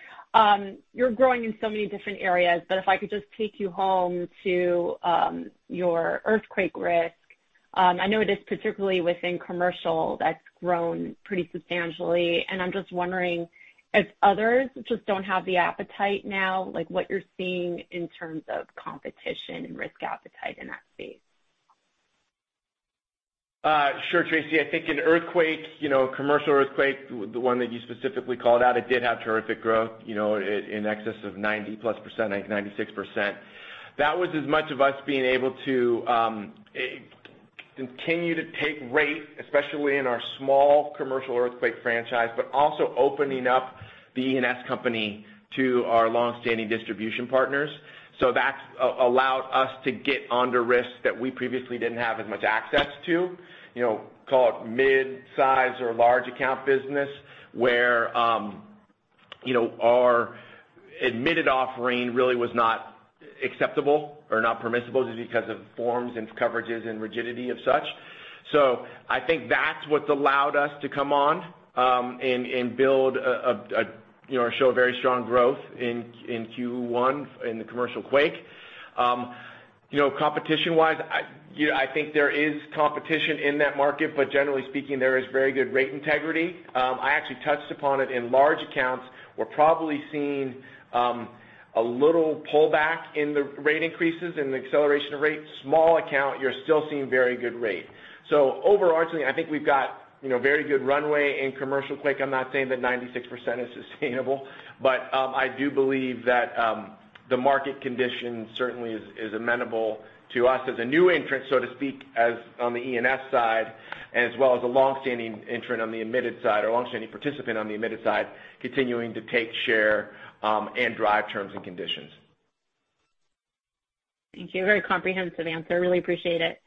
H: You're growing in so many different areas, but if I could just take you home to your earthquake risk. I know it is particularly within commercial that's grown pretty substantially, and I'm just wondering if others just don't have the appetite now, like what you're seeing in terms of competition and risk appetite in that space.
C: Sure, Tracy. I think in earthquake, commercial earthquake, the one that you specifically called out, it did have terrific growth in excess of 90-plus %, 96%. That was as much of us being able to continue to take rate, especially in our small commercial earthquake franchise, but also opening up the E&S company to our longstanding distribution partners. That's allowed us to get under risk that we previously didn't have as much access to, call it midsize or large account business, where our admitted offering really was not acceptable or not permissible just because of forms and coverages and rigidity of such. I think that's what's allowed us to come on and show a very strong growth in Q1 in the commercial quake. Competition-wise, I think there is competition in that market, but generally speaking, there is very good rate integrity. I actually touched upon it in large accounts. We're probably seeing a little pullback in the rate increases and the acceleration of rates. Small account, you're still seeing very good rate. Overarchingly, I think we've got very good runway in commercial quake. I'm not saying that 96% is sustainable, but I do believe that the market condition certainly is amenable to us as a new entrant, so to speak, on the E&S side, as well as a longstanding entrant on the admitted side or longstanding participant on the admitted side, continuing to take share and drive terms and conditions.
H: Thank you. Very comprehensive answer. I really appreciate it.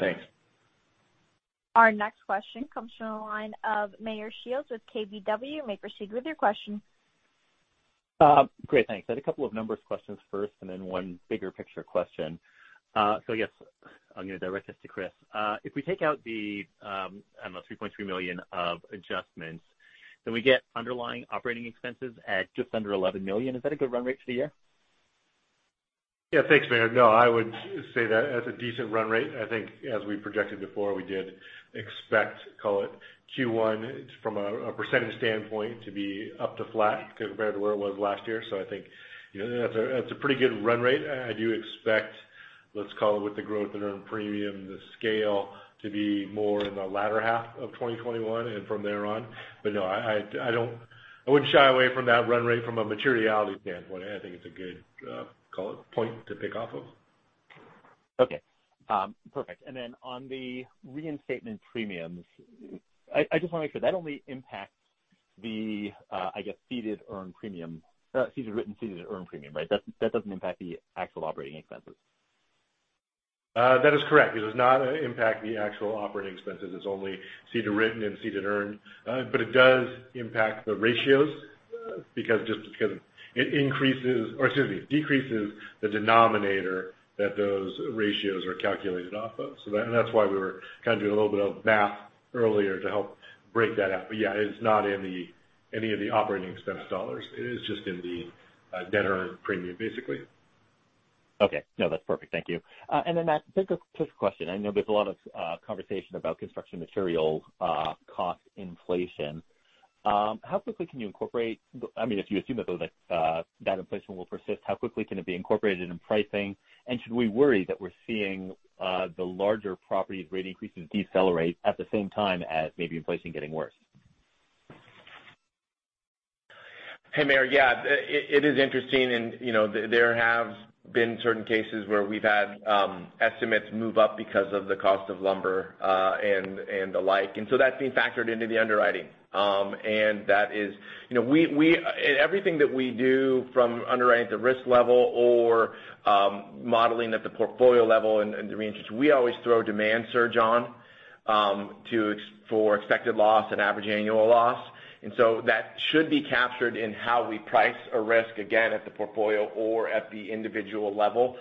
C: Thanks.
A: Our next question comes from the line of Meyer Shields with KBW. You may proceed with your question.
I: Great. Thanks. I had a couple of numbers questions first and then one bigger picture question. Yes, I'm going to direct this to Chris. If we take out the, I don't know, $3.3 million of adjustments, we get underlying operating expenses at just under $11 million. Is that a good run rate for the year?
B: Thanks, Meyer. I would say that that's a decent run rate. I think as we projected before, we did expect, call it Q1 from a percentage standpoint, to be up to flat compared to where it was last year. I think that's a pretty good run rate. I do expect, let's call it with the growth in earned premium, the scale to be more in the latter half of 2021 and from there on. I wouldn't shy away from that run rate from a materiality standpoint. I think it's a good, call it point to pick off of.
I: Okay, perfect. Then on the reinstatement premiums, I just want to make sure that only impacts the, I guess, ceded earned premium, ceded written, ceded earned premium, right? That doesn't impact the actual operating expenses.
B: That is correct. It does not impact the actual operating expenses. It is only ceded written and ceded earned. It does impact the ratios because it decreases the denominator that those ratios are calculated off of. That is why we were kind of doing a little bit of math earlier to help break that out. Yeah, it is not in any of the operating expense dollars. It is just in the net earned premium, basically.
I: Okay. No, that is perfect. Thank you. Then Mac, quick question. I know there is a lot of conversation about construction material cost inflation. If you assume that that inflation will persist, how quickly can it be incorporated in pricing? Should we worry that we are seeing the larger properties rate increases decelerate at the same time as maybe inflation getting worse?
C: Hey, Meyer. Yeah. It is interesting there have been certain cases where we have had estimates move up because of the cost of lumber, and the like. That is being factored into the underwriting. Everything that we do from underwriting at the risk level or modeling at the portfolio level and the reinsurance, we always throw demand surge on for expected loss and average annual loss. That should be captured in how we price a risk, again, at the portfolio or at the individual level.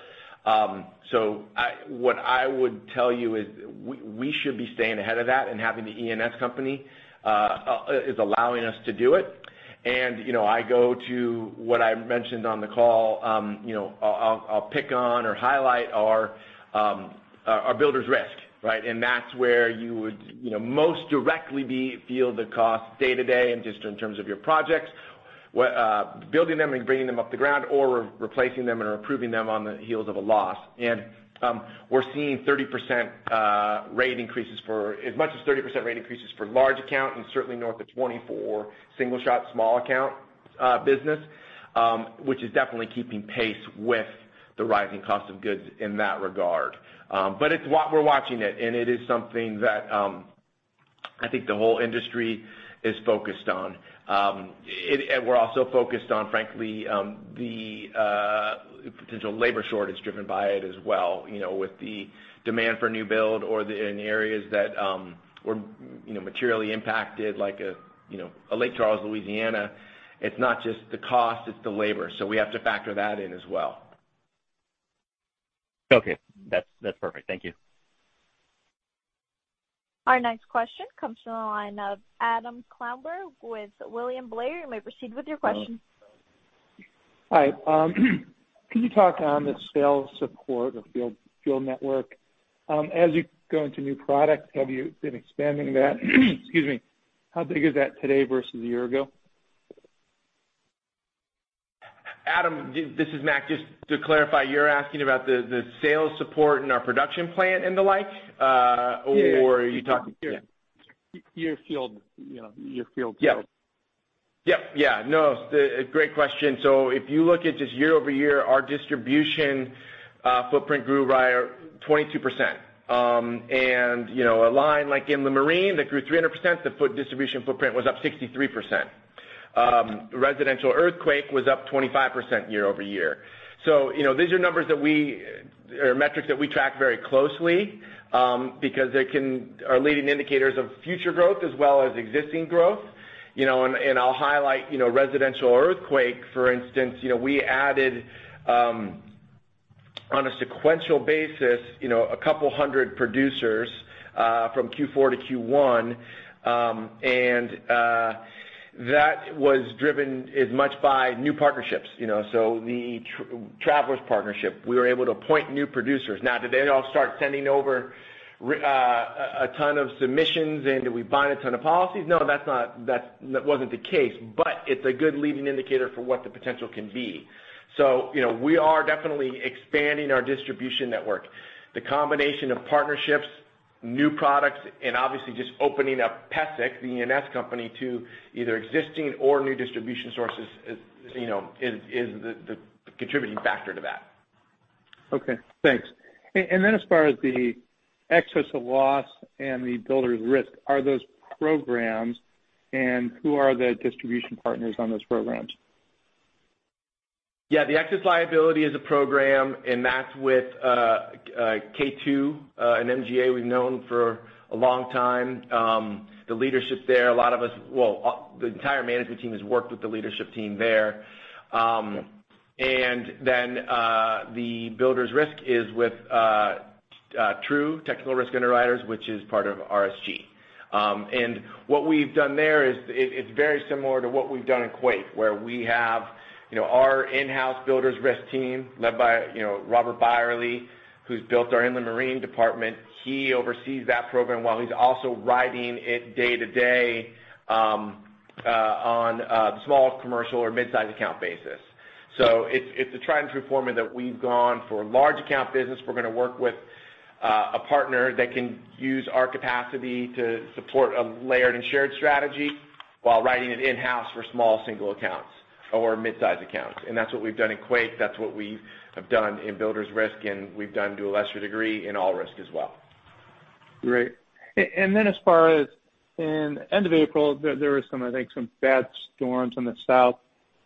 C: What I would tell you is we should be staying ahead of that and having the E&S company is allowing us to do it. I go to what I mentioned on the call, I will pick on or highlight our builder's risk, right? That is where you would most directly feel the cost day-to-day and just in terms of your projects, building them and bringing them up the ground or replacing them and improving them on the heels of a loss. We are seeing as much as 30% rate increases for large account and certainly north of 20 for single shot small account business, which is definitely keeping pace with the rising cost of goods in that regard. We are watching it, and it is something that I think the whole industry is focused on. We are also focused on, frankly, the potential labor shortage driven by it as well, with the demand for new build or in the areas that were materially impacted, like Lake Charles, Louisiana. It is not just the cost, it is the labor. We have to factor that in as well.
I: Okay. That's perfect. Thank you.
A: Our next question comes from the line of Adam Klauber with William Blair. You may proceed with your question.
J: Hi. Can you talk on the sales support or field network? As you go into new products, have you been expanding that? Excuse me. How big is that today versus a year ago?
C: Adam, this is Mac. Just to clarify, you're asking about the sales support and our production plan and the like? Or are you talking-
J: Yeah. Your field.
C: Yeah. No, great question. If you look at just year-over-year, our distribution footprint grew 22%. A line like inland marine that grew 300%, the distribution footprint was up 63%. residential earthquake was up 25% year-over-year. These are metrics that we track very closely, because they are leading indicators of future growth as well as existing growth. I'll highlight residential earthquake, for instance, we added on a sequential basis a couple of hundred producers from Q4 to Q1, and that was driven as much by new partnerships. The Travelers partnership, we were able to appoint new producers. Now, did they all start sending over a ton of submissions, and did we bind a ton of policies? No, that wasn't the case, but it's a good leading indicator for what the potential can be. We are definitely expanding our distribution network. The combination of partnerships, new products, and obviously just opening up PESIC, the E&S company, to either existing or new distribution sources is the contributing factor to that.
J: Okay, thanks. Then as far as the excess of loss and the builder's risk, are those programs and who are the distribution partners on those programs?
C: Yeah, the excess liability is a program, and that's with K2 and MGA. We've known for a long time. The leadership there, the entire management team has worked with the leadership team there. The builder's risk is with TRU, Technical Risk Underwriters, which is part of RSG. What we've done there is very similar to what we've done in quake, where we have our in-house builder's risk team led by Robert Beyerle, who's built our inland marine department. He oversees that program while he's also writing it day-to-day on a small commercial or mid-size account basis. It's a tried and true formula that we've gone for large account business. We're going to work with a partner that can use our capacity to support a layered and shared strategy while writing it in-house for small single accounts or mid-size accounts. That's what we've done in quake, that's what we have done in builder's risk, and we've done to a lesser degree in all-risk as well.
J: Great. As far as in end of April, there were some, I think some bad storms in the south.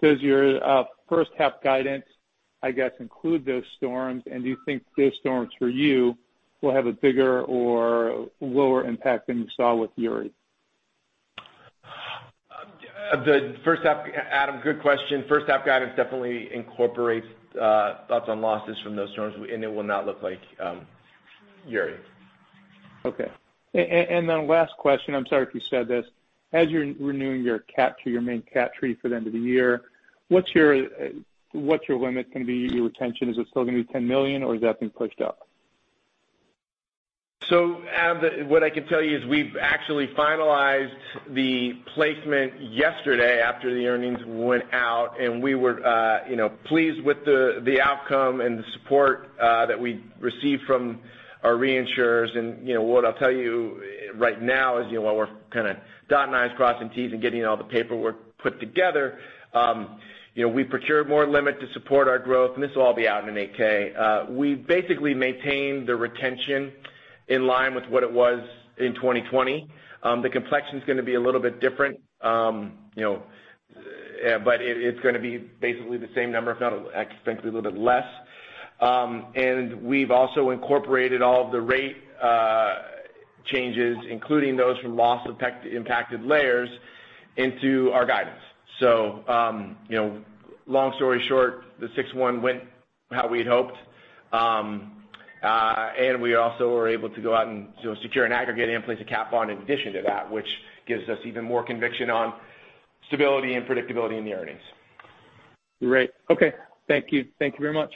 J: Does your first half guidance, I guess, include those storms? Do you think those storms for you will have a bigger or lower impact than you saw with Uri?
C: Adam, good question. First half guidance definitely incorporates thoughts on losses from those storms, and it will not look like Uri.
J: Okay. Last question, I'm sorry if you said this. As you're renewing your main CAT treaty for the end of the year, what's your limit going to be, your retention? Is it still going to be $10 million or has that been pushed up?
C: Adam, what I can tell you is we've actually finalized the placement yesterday after the earnings went out, and we were pleased with the outcome and the support that we received from our reinsurers. What I'll tell you right now is while we're kind of dotting I's crossing T's and getting all the paperwork put together. We procured more limit to support our growth, and this will all be out in an 8-K. We basically maintained the retention in line with what it was in 2020. The complexion's going to be a little bit different. It's going to be basically the same number, if not, I expect it'll be a little bit less. We've also incorporated all of the rate changes, including those from loss-impacted layers into our guidance. Long story short, the six one went how we had hoped. We also were able to go out and secure an aggregate and place a cap on in addition to that, which gives us even more conviction on stability and predictability in the earnings.
J: Great. Okay. Thank you. Thank you very much.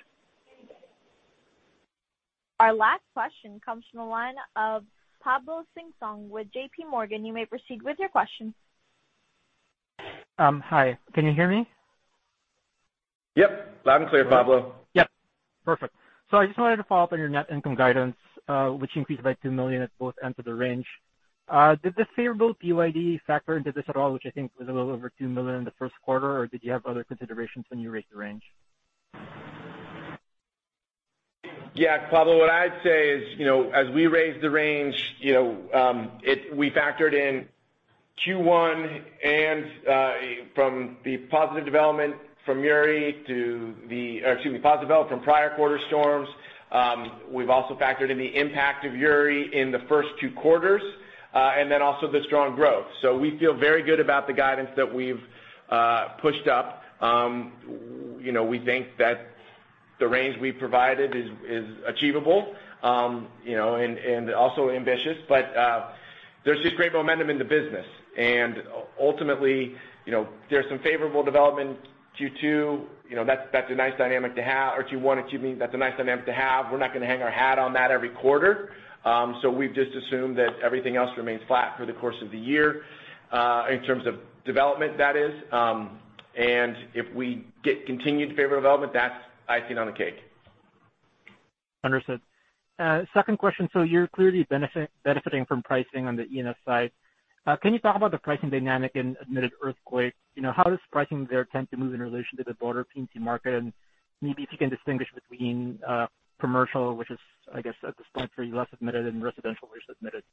A: Our last question comes from the line of Pablo Singzon with JPMorgan. You may proceed with your question.
K: Hi, can you hear me?
C: Yep, loud and clear, Pablo.
K: Perfect. I just wanted to follow up on your net income guidance, which increased by $2 million at both ends of the range. Did the favorable PYD factor into this at all, which I think was a little over $2 million in the first quarter, or did you have other considerations when you raised the range?
C: Yeah, Pablo, what I'd say is, as we raised the range, we factored in Q1 and from the positive development from prior quarter storms. We've also factored in the impact of Uri in the first two quarters, then also the strong growth. We feel very good about the guidance that we've pushed up. We think that the range we've provided is achievable, and also ambitious, but there's just great momentum in the business. Ultimately, there's some favorable development Q2, that's a nice dynamic to have, or Q1, excuse me, that's a nice dynamic to have. We're not going to hang our hat on that every quarter. We've just assumed that everything else remains flat through the course of the year, in terms of development, that is. If we get continued favorable development, that's icing on the cake.
K: Understood. Second question, you're clearly benefiting from pricing on the E&S side. Can you talk about the pricing dynamic in admitted earthquake? How does pricing there tend to move in relation to the broader P&C market? Maybe if you can distinguish between commercial, which is, I guess, at this point for you, less admitted and residential, which is admitted.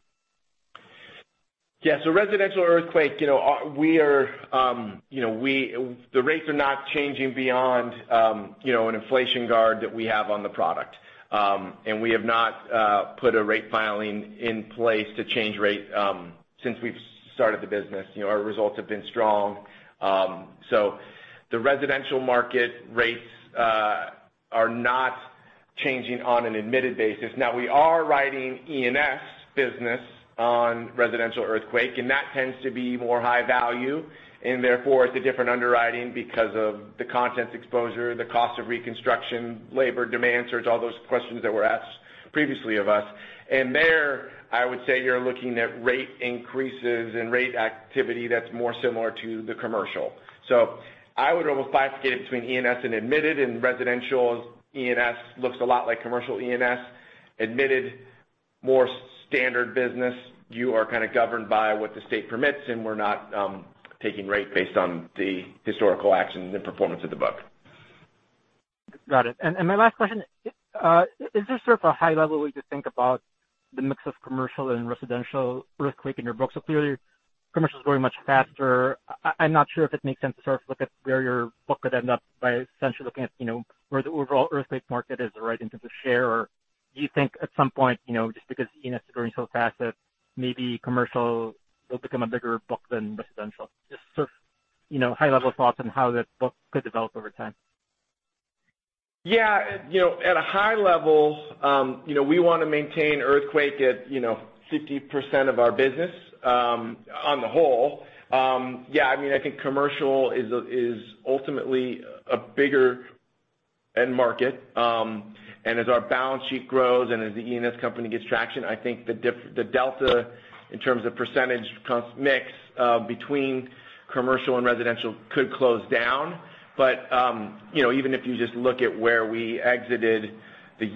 C: Yeah. Residential earthquake, the rates are not changing beyond an inflation guard that we have on the product. We have not put a rate filing in place to change rate since we've started the business. Our results have been strong. The residential market rates are not changing on an admitted basis. Now, we are writing E&S business on residential earthquake, and that tends to be more high value, and therefore it's a different underwriting because of the contents exposure, the cost of reconstruction, labor demands. There's all those questions that were asked previously of us. There, I would say you're looking at rate increases and rate activity that's more similar to the commercial. I would almost bifurcate it between E&S and admitted and residential E&S looks a lot like commercial E&S. Admitted more standard business. You are kind of governed by what the state permits, we're not taking rate based on the historical action and performance of the book.
K: Got it. My last question, is there sort of a high-level way to think about the mix of commercial and residential earthquake in your book? Clearly commercial is growing much faster. I'm not sure if it makes sense to sort of look at where your book would end up by essentially looking at where the overall earthquake market is right in terms of share, or do you think at some point, just because E&S is growing so fast that maybe commercial will become a bigger book than residential? Just sort of high-level thoughts on how that book could develop over time.
C: Yeah. At a high level, we want to maintain earthquake at 50% of our business on the whole. I think commercial is ultimately a bigger end market. As our balance sheet grows and as the E&S company gets traction, I think the delta in terms of percentage mix between commercial and residential could close down. Even if you just look at where we exited the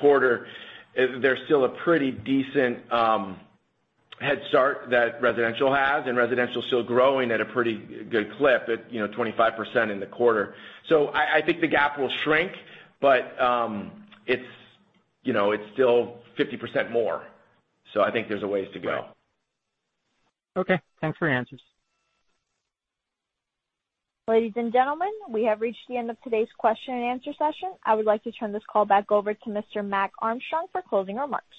C: quarter, there's still a pretty decent head start that residential has, and residential's still growing at a pretty good clip at 25% in the quarter. I think the gap will shrink, but it's still 50% more, so I think there's a ways to go.
K: Okay. Thanks for your answers.
A: Ladies and gentlemen, we have reached the end of today's question and answer session. I would like to turn this call back over to Mr. Mac Armstrong for closing remarks.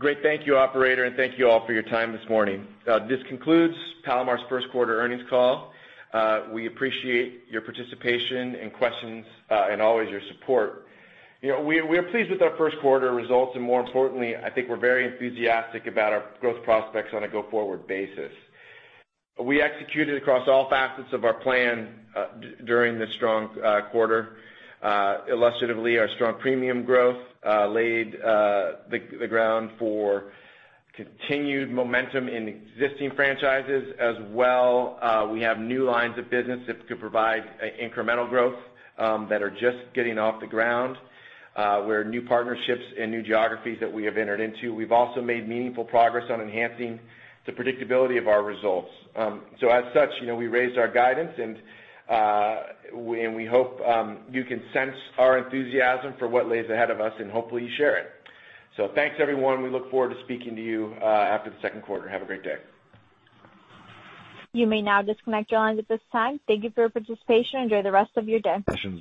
C: Great. Thank you, operator, and thank you all for your time this morning. This concludes Palomar's first-quarter earnings call. We appreciate your participation and questions and always your support. We are pleased with our first-quarter results, and more importantly, I think we're very enthusiastic about our growth prospects on a go-forward basis. We executed across all facets of our plan during this strong quarter. Illustratively, our strong premium growth laid the ground for continued momentum in existing franchises as well. We have new lines of business that could provide incremental growth that are just getting off the ground, where new partnerships and new geographies that we have entered into. We've also made meaningful progress on enhancing the predictability of our results. As such, we raised our guidance, and we hope you can sense our enthusiasm for what lies ahead of us, and hopefully you share it. Thanks, everyone. We look forward to speaking to you after the second quarter. Have a great day.
A: You may now disconnect your lines at this time. Thank you for your participation. Enjoy the rest of your day.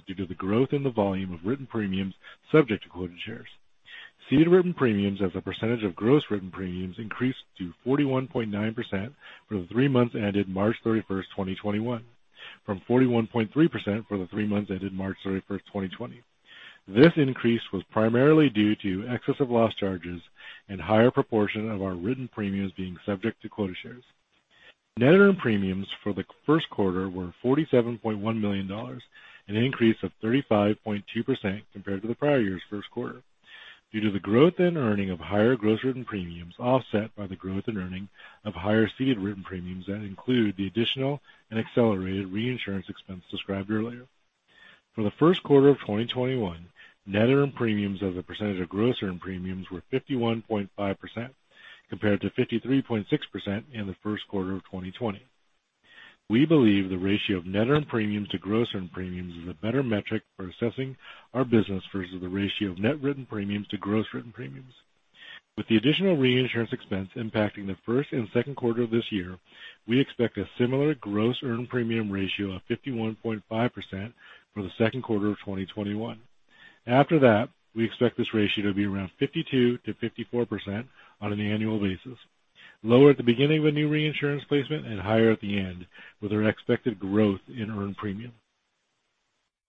B: Due to the growth in the volume of written premiums subject to quota shares, ceded written premiums as a percentage of gross written premiums increased to 41.9% for the three months ended March 31st, 2021, from 41.3% for the three months ended March 31st, 2020. This increase was primarily due to excess of loss charges and higher proportion of our written premiums being subject to quota shares. Net earned premiums for the first quarter were $47.1 million, an increase of 35.2% compared to the prior year's first quarter. Due to the growth and earning of higher gross written premiums offset by the growth and earning of higher ceded written premiums that include the additional and accelerated reinsurance expense described earlier. For the first quarter of 2021, net earned premiums as a percentage of gross earned premiums were 51.5%, compared to 53.6% in the first quarter of 2020. We believe the ratio of net earned premiums to gross earned premiums is a better metric for assessing our business versus the ratio of net written premiums to gross written premiums. With the additional reinsurance expense impacting the first and second quarter of this year, we expect a similar gross earned premium ratio of 51.5% for the second quarter of 2021. After that, we expect this ratio to be around 52%-54% on an annual basis, lower at the beginning of a new reinsurance placement and higher at the end with our expected growth in earned premium.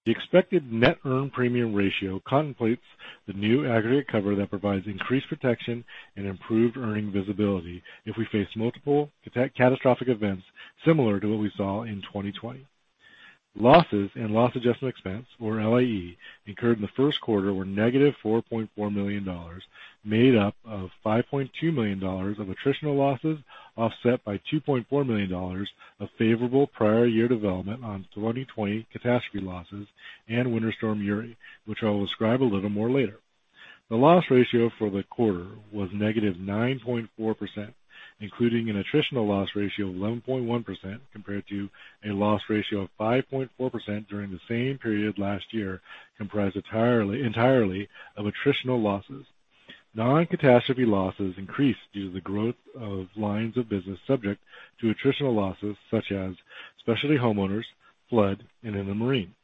B: The expected net earned premium ratio contemplates the new aggregate cover that provides increased protection and improved earning visibility if we face multiple catastrophic events similar to what we saw in 2020. Losses and loss adjustment expense, or LAE, incurred in the first quarter were negative $4.4 million, made up of $5.2 million of attritional losses, offset by $2.4 million of favorable prior year development on 2020 catastrophe losses and Winter Storm Uri, which I will describe a little more later. The loss ratio for the quarter was negative 9.4%, including an attritional loss ratio of 11.1%, compared to a loss ratio of 5.4% during the same period last year, comprised entirely of attritional losses. Non-catastrophe losses increased due to the growth of lines of business subject to attritional losses such as specialty homeowners, flood, and inland marine.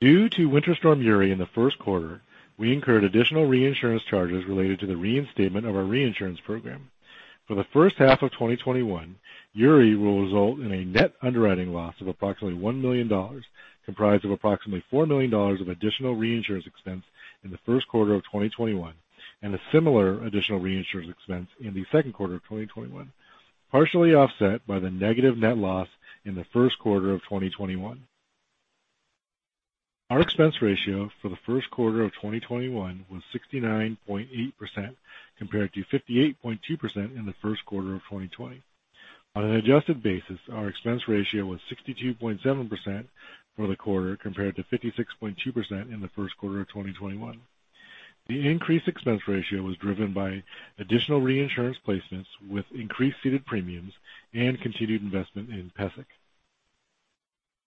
B: Due to Winter Storm Uri in the first quarter, we incurred additional reinsurance charges related to the reinstatement of our reinsurance program. For the first half of 2021, Uri will result in a net underwriting loss of approximately $1 million, comprised of approximately $4 million of additional reinsurance expense in the first quarter of 2021, and a similar additional reinsurance expense in the second quarter of 2021, partially offset by the negative net loss in the first quarter of 2021. Our expense ratio for the first quarter of 2021 was 69.8%, compared to 58.2% in the first quarter of 2020. On an adjusted basis, our expense ratio was 62.7% for the quarter, compared to 56.2% in the first quarter of 2021. The increased expense ratio was driven by additional reinsurance placements with increased ceded premiums and continued investment in PESIC.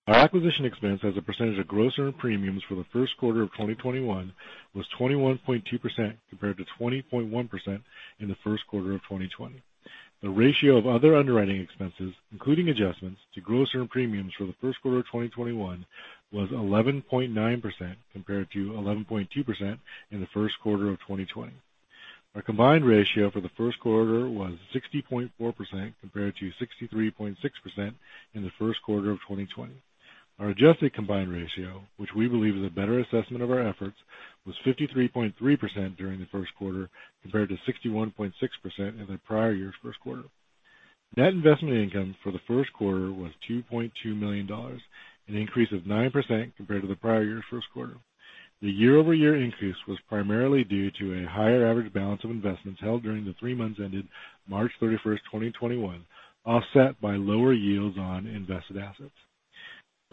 B: Our acquisition expense as a percentage of gross earned premiums for the first quarter of 2021 was 21.2%, compared to 20.1% in the first quarter of 2020. The ratio of other underwriting expenses, including adjustments to gross earned premiums for the first quarter of 2021, was 11.9%, compared to 11.2% in the first quarter of 2020. Our combined ratio for the first quarter was 60.4%, compared to 63.6% in the first quarter of 2020. Our adjusted combined ratio, which we believe is a better assessment of our efforts, was 53.3% during the first quarter, compared to 61.6% in the prior year's first quarter. Net investment income for the first quarter was $2.2 million, an increase of 9% compared to the prior year's first quarter. The year-over-year increase was primarily due to a higher average balance of investments held during the three months ended March 31st, 2021, offset by lower yields on invested assets.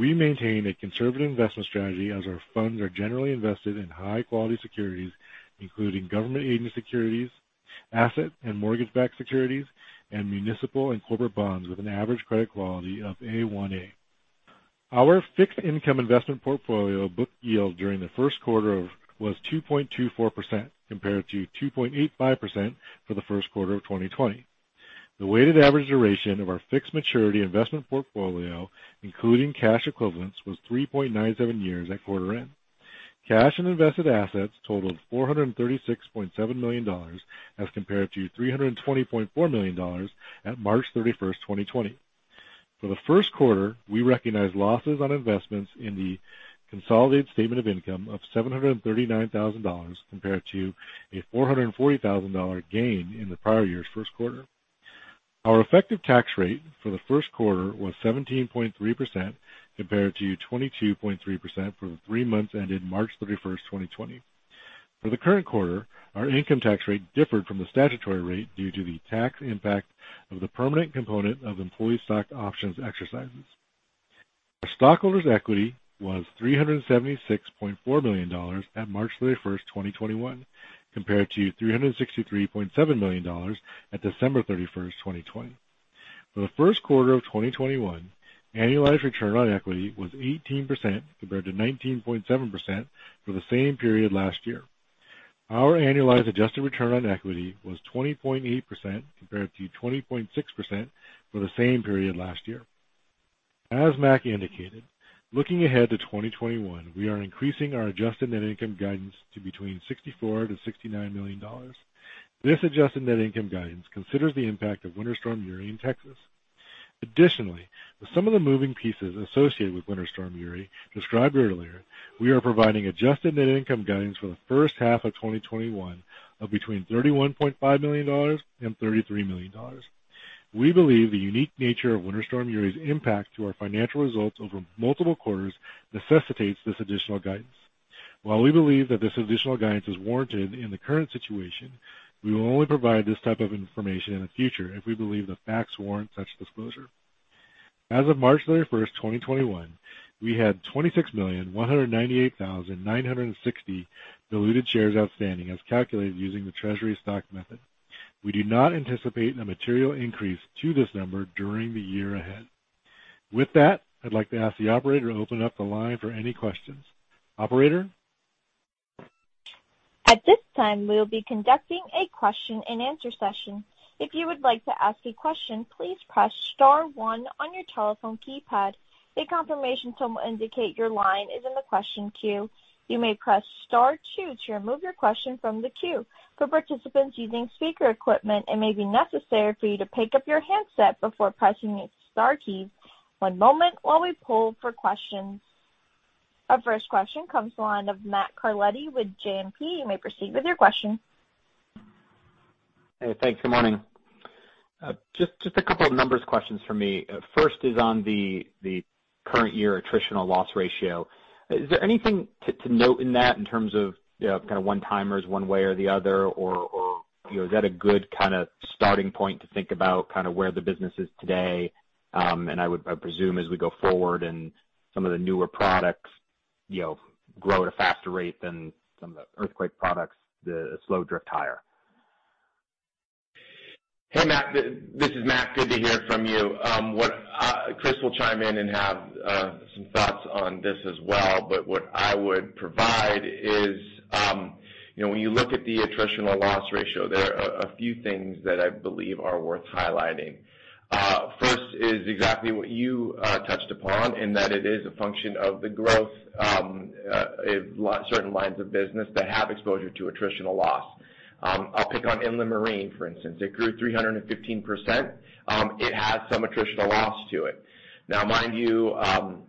B: We maintain a conservative investment strategy as our funds are generally invested in high-quality securities, including government agent securities, asset and mortgage-backed securities, and municipal and corporate bonds with an average credit quality of A1/A. Our fixed income investment portfolio book yield during the first quarter was 2.24%, compared to 2.85% for the first quarter of 2020. The weighted average duration of our fixed maturity investment portfolio, including cash equivalents, was 3.97 years at quarter end. Cash and invested assets totaled $436.7 million as compared to $320.4 million at March 31st, 2020. For the first quarter, we recognized losses on investments in the consolidated statement of income of $739,000 compared to a $440,000 gain in the prior year's first quarter. Our effective tax rate for the first quarter was 17.3% compared to 22.3% for the three months ended March 31st, 2020. For the current quarter, our income tax rate differed from the statutory rate due to the tax impact of the permanent component of employee stock options exercises. Our stockholders' equity was $376.4 million at March 31st, 2021 compared to $363.7 million at December 31st, 2020. For the first quarter of 2021, annualized return on equity was 18% compared to 19.7% for the same period last year. Our annualized adjusted return on equity was 20.8% compared to 20.6% for the same period last year. As Mac indicated, looking ahead to 2021, we are increasing our adjusted net income guidance to between $64 million-$69 million. This adjusted net income guidance considers the impact of Winter Storm Uri in Texas. With some of the moving pieces associated with Winter Storm Uri described earlier, we are providing adjusted net income guidance for the first half of 2021 of between $31.5 million and $33 million. We believe the unique nature of Winter Storm Uri's impact to our financial results over multiple quarters necessitates this additional guidance. While we believe that this additional guidance is warranted in the current situation, we will only provide this type of information in the future if we believe the facts warrant such disclosure. As of March 31st, 2021, we had 26,198,960 diluted shares outstanding as calculated using the treasury stock method. We do not anticipate a material increase to this number during the year ahead. With that, I'd like to ask the operator to open up the line for any questions. Operator?
A: At this time, we'll be conducting a question and answer session. If you would like to ask a question, please press star one on your telephone keypad. A confirmation tone will indicate your line is in the question queue. You may press star two to remove your question from the queue. For participants using speaker equipment, it may be necessary for you to pick up your handset before pressing the star key. One moment while we pull for questions. Our first question comes to the line of Matt Carletti with JMP. You may proceed with your question.
D: Hey, thanks. Good morning. Just a couple of numbers questions for me. First is on the current year attritional loss ratio. Is there anything to note in that in terms of kind of one-timers one way or the other, or is that a good kind of starting point to think about kind of where the business is today? I would presume as we go forward and some of the newer products grow at a faster rate than some of the earthquake products, they slow drift higher.
C: Hey, Matt. This is Mac. Good to hear from you. Chris will chime in and have some thoughts on this as well, but what I would provide is when you look at the attritional loss ratio, there are a few things that I believe are worth highlighting. First is exactly what you touched upon, and that it is a function of the growth of certain lines of business that have exposure to attritional loss. I'll pick on inland marine, for instance. It grew 315%. It has some attritional loss to it. Now, mind you,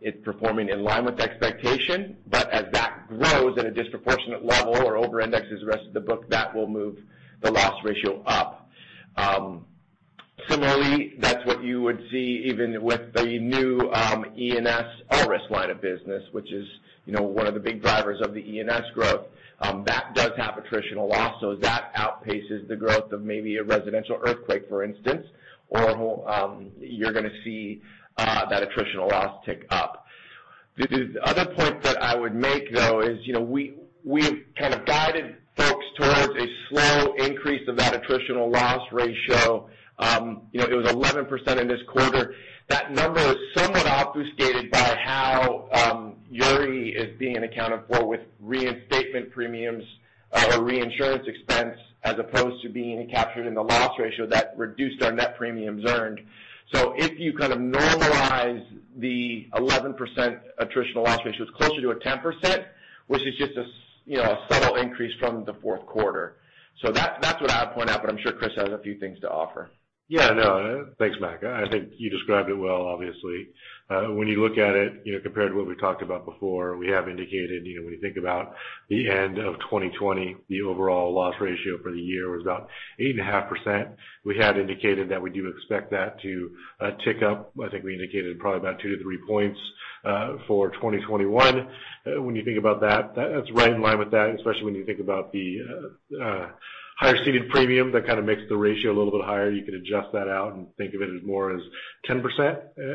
C: it's performing in line with expectation, but as that grows at a disproportionate level or over-indexes the rest of the book, that will move the loss ratio up. Similarly, that's what you would see even with the new E&S all-risk line of business, which is one of the big drivers of the E&S growth. That does have attritional loss, that outpaces the growth of maybe a residential earthquake, for instance, or you're going to see that attritional loss tick up. The other point that I would make, though, is we've kind of guided folks towards a slow increase of that attritional loss ratio. It was 11% in this quarter. That number is somewhat obfuscated by how Uri is being accounted for with reinstatement premiums or reinsurance expense as opposed to being captured in the loss ratio that reduced our net premiums earned. If you kind of normalize the 11% attritional loss ratio, it's closer to a 10%, which is just a subtle increase from the fourth quarter. That's what I would point out, but I'm sure Chris has a few things to offer.
B: Yeah. No, thanks, Mac. I think you described it well, obviously. When you look at it, compared to what we talked about before, we have indicated when you think about the end of 2020, the overall loss ratio for the year was about 8.5%. We had indicated that we do expect that to tick up. I think we indicated probably about two to three points, for 2021. When you think about that's right in line with that, especially when you think about the higher ceded premium. That kind of makes the ratio a little bit higher. You can adjust that out and think of it as more as 10%.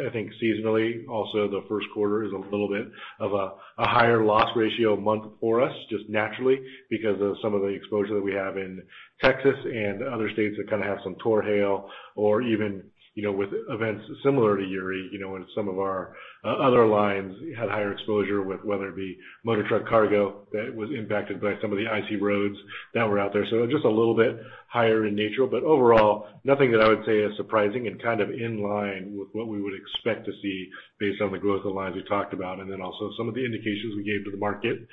B: I think seasonally, also, the first quarter is a little bit of a higher loss ratio month for us, just naturally because of some of the exposure that we have in Texas and other states that kind of have some poor hail or even with events similar to Uri, when some of our other lines had higher exposure with whether it be motor truck cargo that was impacted by some of the icy roads that were out there. Just a little bit higher in nature, but overall, nothing that I would say is surprising and kind of in line with what we would expect to see based on the growth of lines we talked about, and then also some of the indications we gave to the market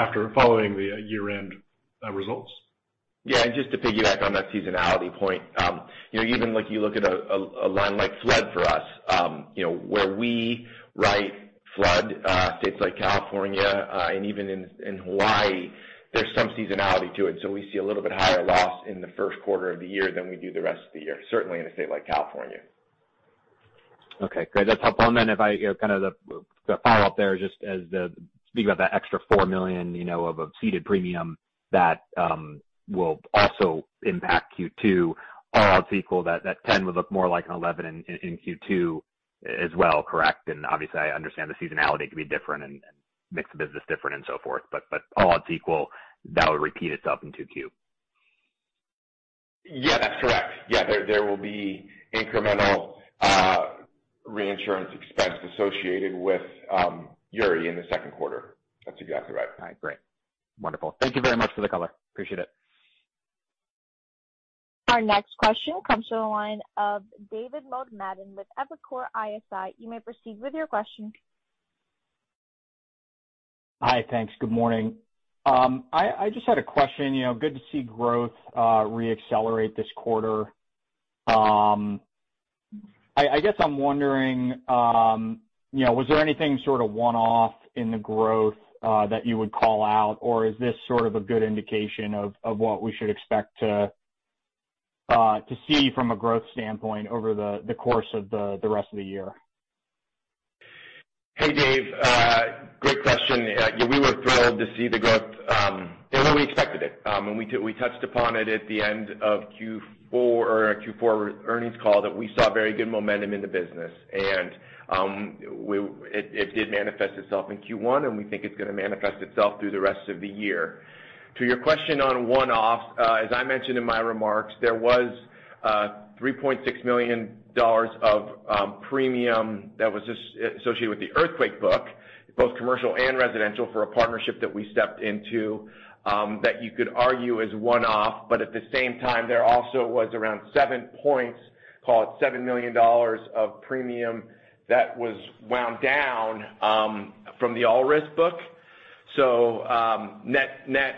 B: after following the year-end results.
C: Yeah, just to piggyback on that seasonality point. Even like you look at a line like flood for us, where we write flood, states like California, and even in Hawaii, there's some seasonality to it. We see a little bit higher loss in the first quarter of the year than we do the rest of the year, certainly in a state like California.
D: Okay, great. That's helpful. Then the follow-up there, just as speaking about that extra $4 million of ceded premium that will also impact Q2, all else equal, that 10 would look more like an 11 in Q2 as well, correct? Obviously I understand the seasonality could be different and mix of business different and so forth, but all else equal, that would repeat itself in 2Q.
C: Yeah, that's correct. There will be incremental reinsurance expense associated with Uri in the second quarter. That's exactly right.
D: All right, great. Wonderful. Thank you very much for the color. Appreciate it.
A: Our next question comes from the line of David Motemaden with Evercore ISI. You may proceed with your question.
E: Hi, thanks. Good morning. I just had a question. Good to see growth re-accelerate this quarter. I guess I'm wondering, was there anything sort of one-off in the growth that you would call out, or is this sort of a good indication of what we should expect to see from a growth standpoint over the course of the rest of the year?
C: Hey, Dave. Great question. Yeah, we were thrilled to see the growth, and we expected it. We touched upon it at the end of Q4 earnings call that we saw very good momentum in the business. It did manifest itself in Q1, and we think it's going to manifest itself through the rest of the year. To your question on one-offs, as I mentioned in my remarks, there was $3.6 million of premium that was associated with the earthquake book, both commercial and residential, for a partnership that we stepped into, that you could argue is one-off. At the same time, there also was around 7 points, call it $7 million of premium that was wound down from the all-risk book. Net-net,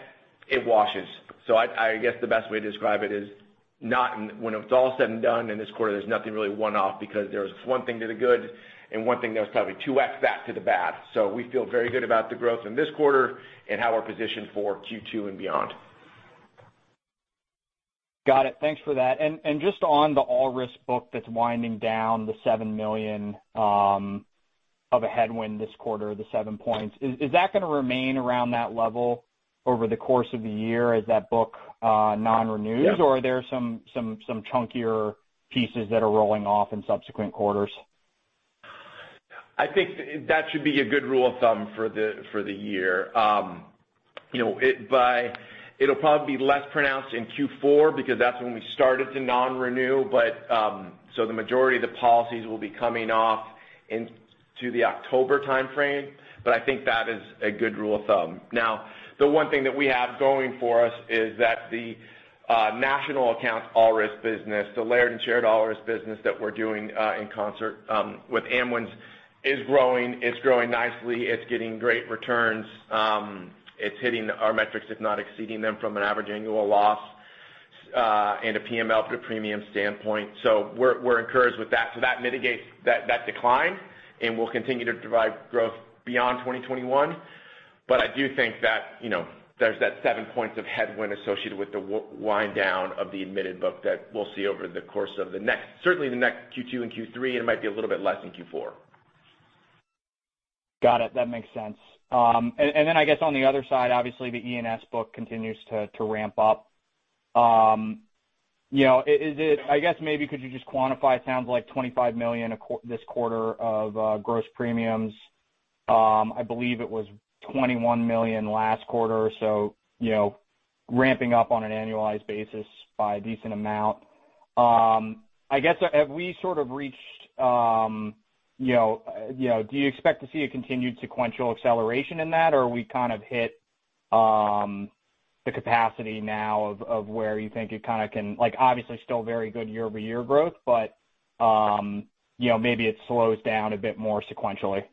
C: it washes. I guess the best way to describe it is not when it's all said and done in this quarter, there's nothing really one-off because there was one thing to the good and one thing that was probably 2X that to the bad. We feel very good about the growth in this quarter and how we're positioned for Q2 and beyond.
E: Got it. Thanks for that. Just on the all-risk book that's winding down the $7 million of a headwind this quarter, the 7 points. Is that going to remain around that level over the course of the year as that book non-renews?
C: Yeah.
E: Are there some chunkier pieces that are rolling off in subsequent quarters?
C: I think that should be a good rule of thumb for the year. It'll probably be less pronounced in Q4 because that's when we started to non-renew, the majority of the policies will be coming off into the October timeframe. I think that is a good rule of thumb. The one thing that we have going for us is that the national accounts all-risk business, the layered and shared all-risk business that we're doing in concert with Amwins is growing. It's growing nicely. It's getting great returns. It's hitting our metrics, if not exceeding them from an average annual loss and a PML to premium standpoint. We're encouraged with that. That mitigates that decline, and will continue to drive growth beyond 2021. I do think that there's that seven points of headwind associated with the wind down of the admitted book that we'll see over the course of the next, certainly the next Q2 and Q3, and it might be a little bit less in Q4.
E: Got it. That makes sense. I guess on the other side, obviously the E&S book continues to ramp up. I guess maybe could you just quantify, it sounds like $25 million this quarter of gross premiums. I believe it was $21 million last quarter. Ramping up on an annualized basis by a decent amount. I guess, do you expect to see a continued sequential acceleration in that, or are we kind of hit the capacity now of where you think it kind of can, obviously, still very good year-over-year growth, but maybe it slows down a bit more sequentially?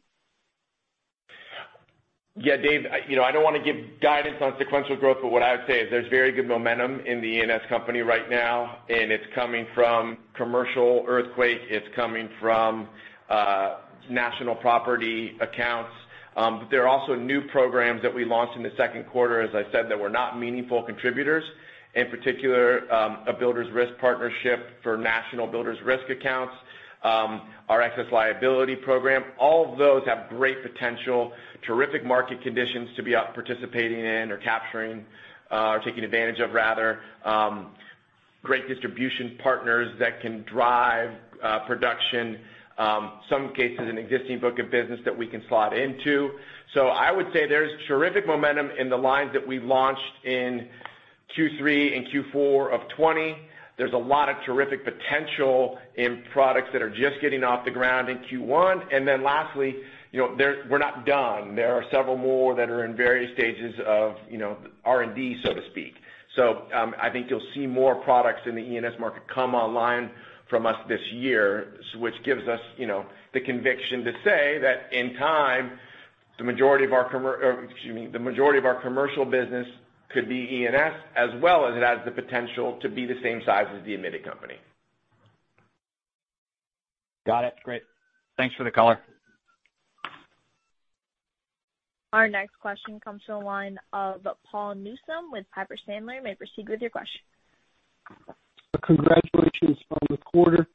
C: Yeah, Dave, I don't want to give guidance on sequential growth, what I would say is there's very good momentum in the E&S company right now, and it's coming from commercial earthquake, it's coming from national property accounts. There are also new programs that we launched in the second quarter, as I said, that were not meaningful contributors, in particular, a builder's risk partnership for national builder's risk accounts, our excess liability program. All of those have great potential, terrific market conditions to be out participating in or capturing, or taking advantage of rather, great distribution partners that can drive production, some cases an existing book of business that we can slot into. I would say there's terrific momentum in the lines that we launched in Q3 and Q4 of 2020. There's a lot of terrific potential in products that are just getting off the ground in Q1. Lastly, we're not done. There are several more that are in various stages of R&D, so to speak. I think you'll see more products in the E&S market come online from us this year, which gives us the conviction to say that in time the majority of our commercial business could be E&S, as well as it has the potential to be the same size as the admitted company.
E: Got it. Great. Thanks for the color.
A: Our next question comes from the line of Paul Newsome with Piper Sandler. You may proceed with your question.
F: Congratulations on the quarter.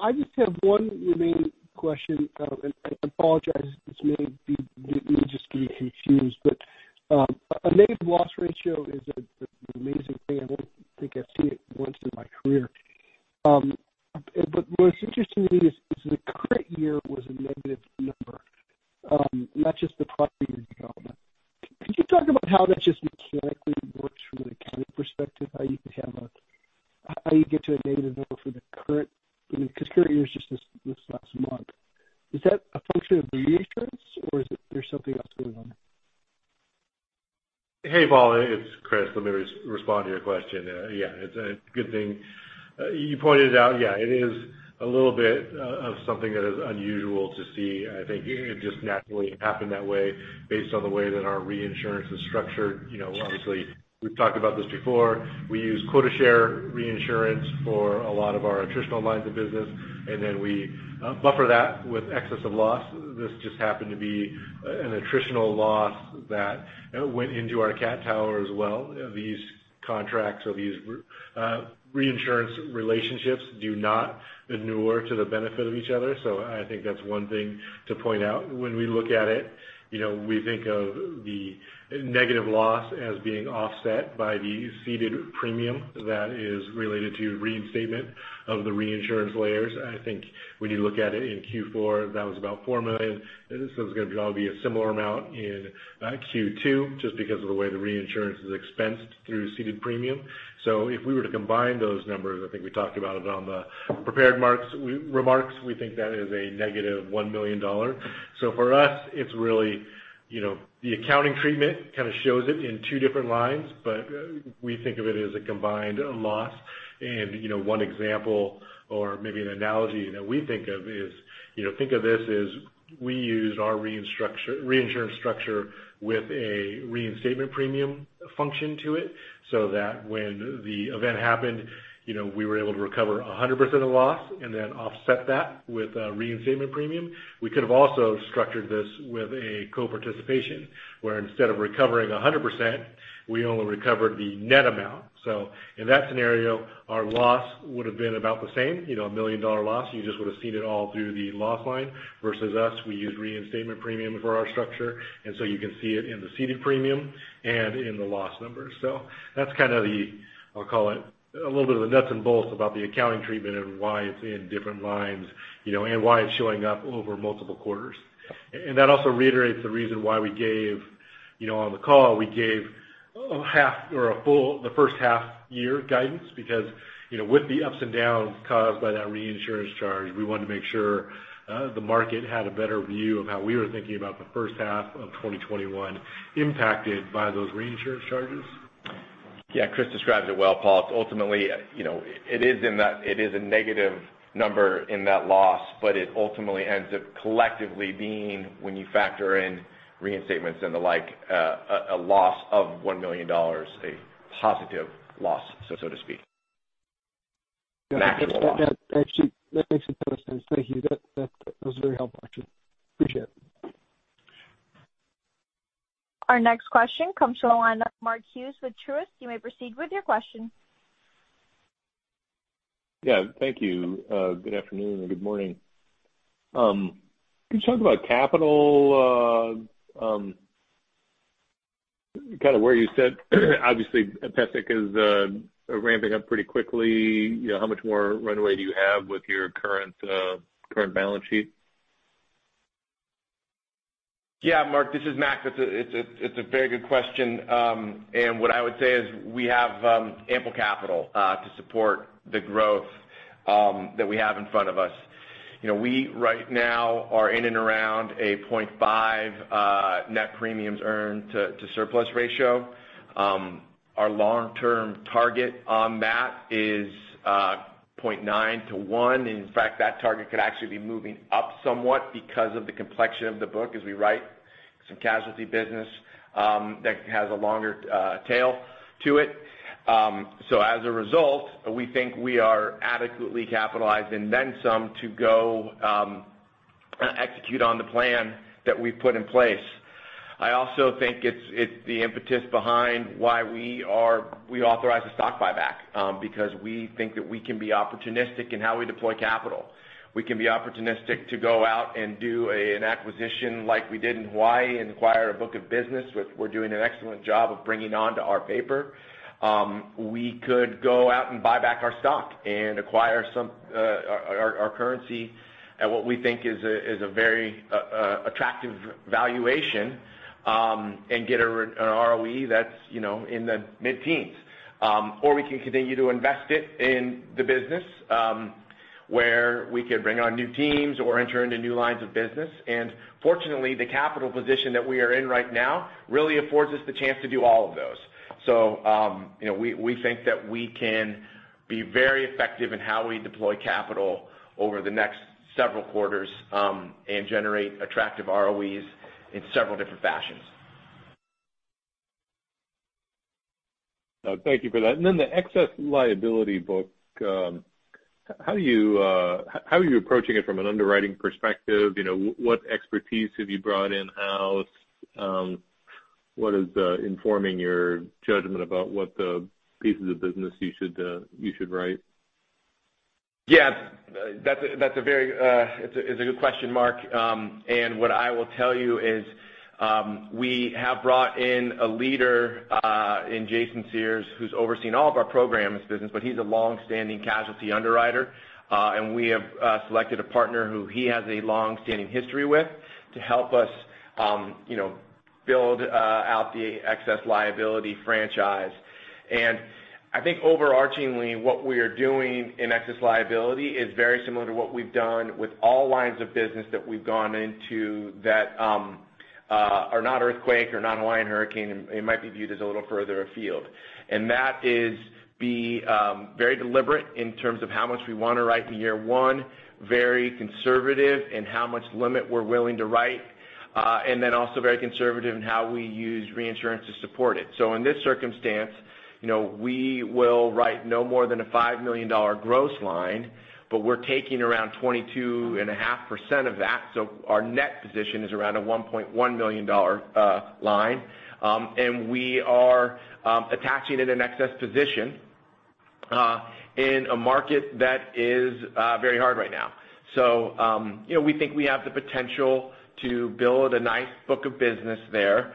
F: I just have one remaining question. I apologize, this may just negative number, not just the prior year development. Could you talk about how that just mechanically works from an accounting perspective, how you could get to a negative number for the current? Because current year is just this last month. Is that a function of reinsurance or is there something else going on?
B: Hey, Paul, it's Chris. Let me respond to your question. Yeah, it's a good thing you pointed it out. Yeah, it is a little bit of something that is unusual to see. I think it just naturally happened that way based on the way that our reinsurance is structured. Obviously, we've talked about this before. We use quota share reinsurance for a lot of our attritional lines of business, then we buffer that with excess of loss. This just happened to be an attritional loss that went into our cat tower as well. These contracts or these reinsurance relationships do not inure to the benefit of each other. I think that's one thing to point out. When we look at it, we think of the negative loss as being offset by the ceded premium that is related to reinstatement of the reinsurance layers. I think when you look at it in Q4, that was about $4 million. This is going to be a similar amount in Q2 just because of the way the reinsurance is expensed through ceded premium. If we were to combine those numbers, I think we talked about it on the prepared remarks, we think that is a negative $1 million. For us, it's really the accounting treatment kind of shows it in two different lines, but we think of it as a combined loss. One example or maybe an analogy that we think of is, think of this as we used our reinsurance structure with a reinstatement premium function to it so that when the event happened, we were able to recover 100% of loss and then offset that with a reinstatement premium. We could have also structured this with a co-participation, where instead of recovering 100%, we only recovered the net amount. In that scenario, our loss would've been about the same, a $1 million loss. You just would've seen it all through the loss line versus us, we used reinstatement premium for our structure, you can see it in the ceded premium and in the loss numbers. That's kind of the, I'll call it, a little bit of the nuts and bolts about the accounting treatment and why it's in different lines, and why it's showing up over multiple quarters. That also reiterates the reason why on the call, we gave the first half year guidance, because, with the ups and downs caused by that reinsurance charge, we wanted to make sure the market had a better view of how we were thinking about the first half of 2021 impacted by those reinsurance charges.
C: Yeah, Chris describes it well, Paul. Ultimately, it is a negative number in that loss, but it ultimately ends up collectively being, when you factor in reinstatements and the like, a loss of $1 million, a positive loss, so to speak. A natural loss.
F: Actually, that makes a ton of sense. Thank you. That was very helpful, actually. Appreciate it.
A: Our next question comes from the line of Mark Hughes with Truist. You may proceed with your question.
G: Thank you. Good afternoon or good morning. Can you talk about capital, kind of where you sit? Obviously, PESIC is ramping up pretty quickly. How much more runway do you have with your current balance sheet?
C: Mark, this is Mac. It's a very good question. What I would say is we have ample capital to support the growth that we have in front of us. We, right now, are in and around a 0.5 net premiums earned to surplus ratio. Our long-term target on that is 0.9 to one. In fact, that target could actually be moving up somewhat because of the complexion of the book as we write some casualty business that has a longer tail to it. As a result, we think we are adequately capitalized and then some to go execute on the plan that we've put in place. I also think it's the impetus behind why we authorized a stock buyback. We think that we can be opportunistic in how we deploy capital. We can be opportunistic to go out and do an acquisition like we did in Hawaii and acquire a book of business, which we're doing an excellent job of bringing onto our paper. We could go out and buy back our stock and acquire our currency at what we think is a very attractive valuation, and get an ROE that's in the mid-teens. Or we can continue to invest it in the business, where we could bring on new teams or enter into new lines of business. Fortunately, the capital position that we are in right now really affords us the chance to do all of those. We think that we can be very effective in how we deploy capital over the next several quarters, and generate attractive ROEs in several different fashions.
G: Thank you for that. The excess liability book, how are you approaching it from an underwriting perspective? What expertise have you brought in-house? What is informing your judgment about what the pieces of business you should write?
C: It's a good question, Mark. What I will tell you is, we have brought in a leader in Jason Sears, who's overseeing all of our programs business, but he's a longstanding casualty underwriter. We have selected a partner who he has a longstanding history with to help us build out the excess liability franchise. I think overarchingly, what we are doing in excess liability is very similar to what we've done with all lines of business that we've gone into that are not earthquake or not Hawaiian hurricane, and it might be viewed as a little further afield. That is be very deliberate in terms of how much we want to write in year one, very conservative in how much limit we're willing to write, and then also very conservative in how we use reinsurance to support it. In this circumstance, we will write no more than a $5 million gross line, but we're taking around 22.5% of that. So our net position is around a $1.1 million line. We are attaching it in excess position in a market that is very hard right now. We think we have the potential to build a nice book of business there.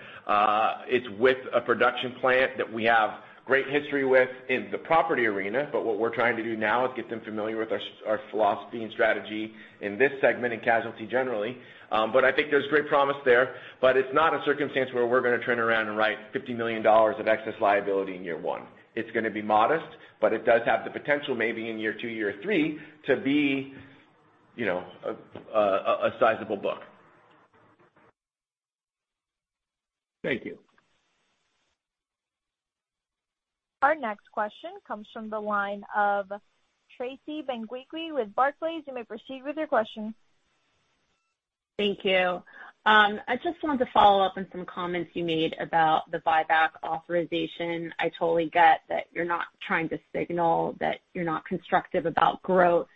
C: It's with a production plant that we have great history with in the property arena, but what we're trying to do now is get them familiar with our philosophy and strategy in this segment, in casualty generally. But I think there's great promise there, but it's not a circumstance where we're going to turn around and write $50 million of excess liability in year one. It's going to be modest. It does have the potential maybe in year two, year three to be a sizable book.
G: Thank you.
A: Our next question comes from the line of Tracy Benguigui with Barclays. You may proceed with your question.
H: Thank you. I just wanted to follow up on some comments you made about the buyback authorization. I totally get that you're not trying to signal that you're not constructive about growth.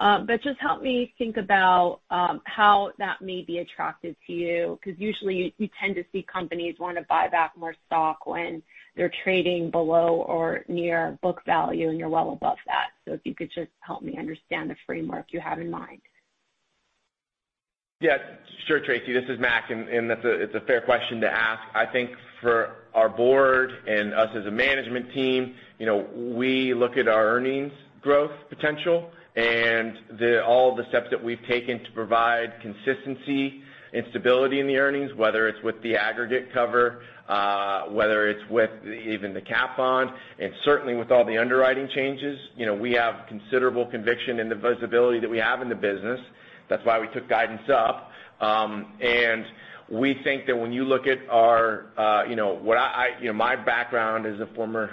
H: Just help me think about how that may be attractive to you, because usually you tend to see companies want to buy back more stock when they're trading below or near book value, and you're well above that. If you could just help me understand the framework you have in mind.
C: Yeah. Sure, Tracy, this is Mac, it's a fair question to ask. I think for our board and us as a management team, we look at our earnings growth potential and all the steps that we've taken to provide consistency and stability in the earnings, whether it's with the aggregate cover, whether it's with even the cap on, and certainly with all the underwriting changes. We have considerable conviction in the visibility that we have in the business. That's why we took guidance up. We think that when you look at My background as a former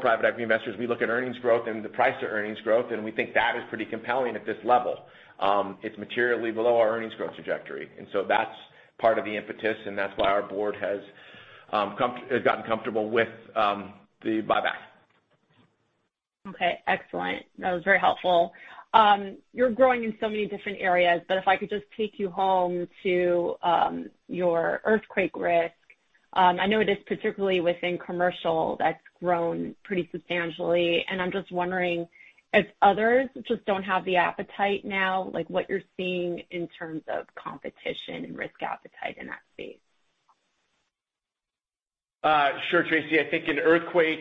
C: private equity investor is we look at earnings growth and the price of earnings growth, and we think that is pretty compelling at this level. It's materially below our earnings growth trajectory. That's part of the impetus and that's why our board has gotten comfortable with the buyback.
H: Okay, excellent. That was very helpful. You're growing in so many different areas, but if I could just take you home to your earthquake risk. I know it is particularly within commercial that's grown pretty substantially, and I'm just wondering if others just don't have the appetite now, like what you're seeing in terms of competition and risk appetite in that space.
C: Sure, Tracy. I think in earthquake,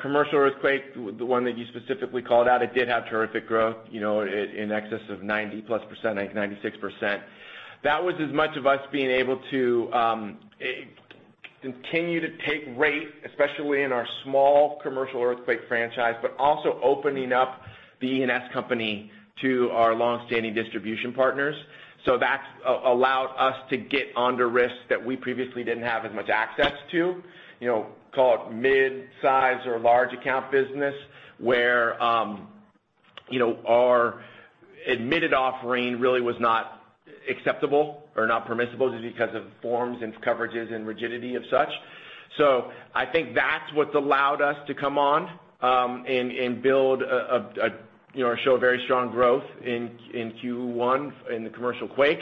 C: commercial earthquake, the one that you specifically called out, it did have terrific growth, in excess of 90+%, 96%. That was as much of us being able to continue to take rate, especially in our small commercial earthquake franchise, but also opening up the E&S company to our longstanding distribution partners. That's allowed us to get under risks that we previously didn't have as much access to, call it midsize or large account business, where our admitted offering really was not acceptable or not permissible just because of forms and coverages and rigidity of such. I think that's what's allowed us to come on and show a very strong growth in Q1 in the commercial quake.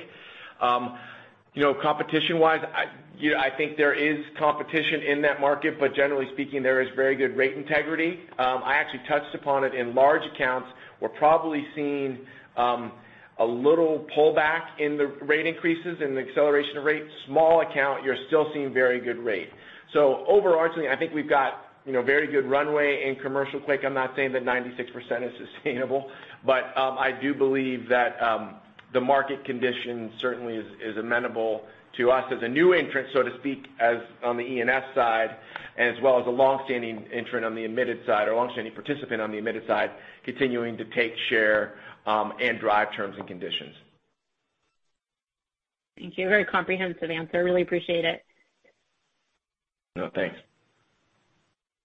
C: Competition-wise, I think there is competition in that market, but generally speaking, there is very good rate integrity. I actually touched upon it in large accounts. We're probably seeing a little pullback in the rate increases and the acceleration of rates. Small account, you're still seeing very good rate. Overarchingly, I think we've got very good runway in commercial quake. I'm not saying that 96% is sustainable, but I do believe that the market condition certainly is amenable to us as a new entrant, so to speak, as on the E&S side, and as well as a longstanding entrant on the admitted side or longstanding participant on the admitted side, continuing to take share and drive terms and conditions.
H: Thank you. Very comprehensive answer. I really appreciate it.
C: Thanks.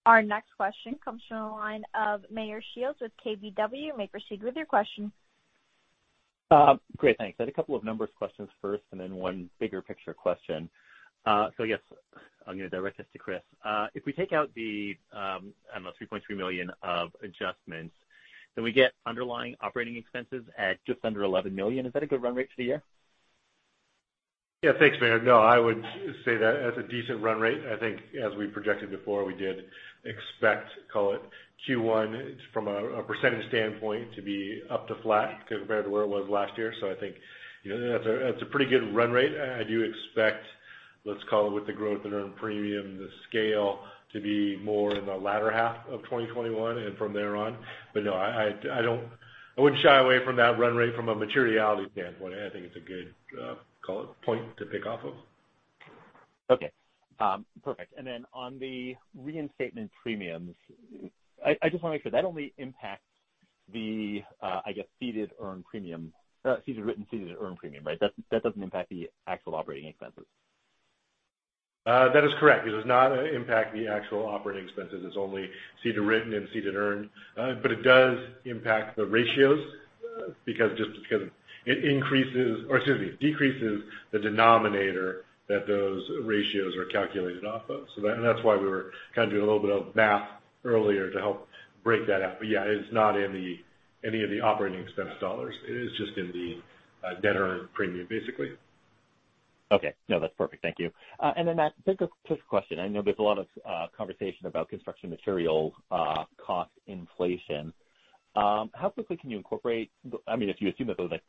A: Our next question comes from the line of Meyer Shields with KBW. You may proceed with your question.
I: Great. Thanks. I had a couple of numbers questions first, and then one bigger picture question. Yes, I'm going to direct this to Chris. If we take out the, I don't know, $3.3 million of adjustments, we get underlying operating expenses at just under $11 million. Is that a good run rate for the year?
B: Thanks, Meyer. I would say that's a decent run rate. I think as we projected before, we did expect, call it Q1 from a percentage standpoint, to be up to flat compared to where it was last year. I think that's a pretty good run rate. I do expect, let's call it, with the growth in earned premium, the scale to be more in the latter half of 2021 and from there on. I wouldn't shy away from that run rate from a materiality standpoint. I think it's a good, call it, point to pick off of.
I: Okay. Perfect. On the reinstatement premiums, I just want to make sure. That only impacts the, I guess, ceded earned premium, ceded written, ceded earned premium, right? That doesn't impact the actual operating expenses.
B: That is correct. It does not impact the actual operating expenses. It's only ceded written and ceded earned. It does impact the ratios because it decreases the denominator that those ratios are calculated off of. That's why we were kind of doing a little bit of math earlier to help break that out. It is not in any of the operating expense dollars. It is just in the net earned premium, basically.
I: Okay. No, that's perfect. Thank you. Mac, just a question. I know there's a lot of conversation about construction material cost inflation. How quickly can you incorporate? If you assume that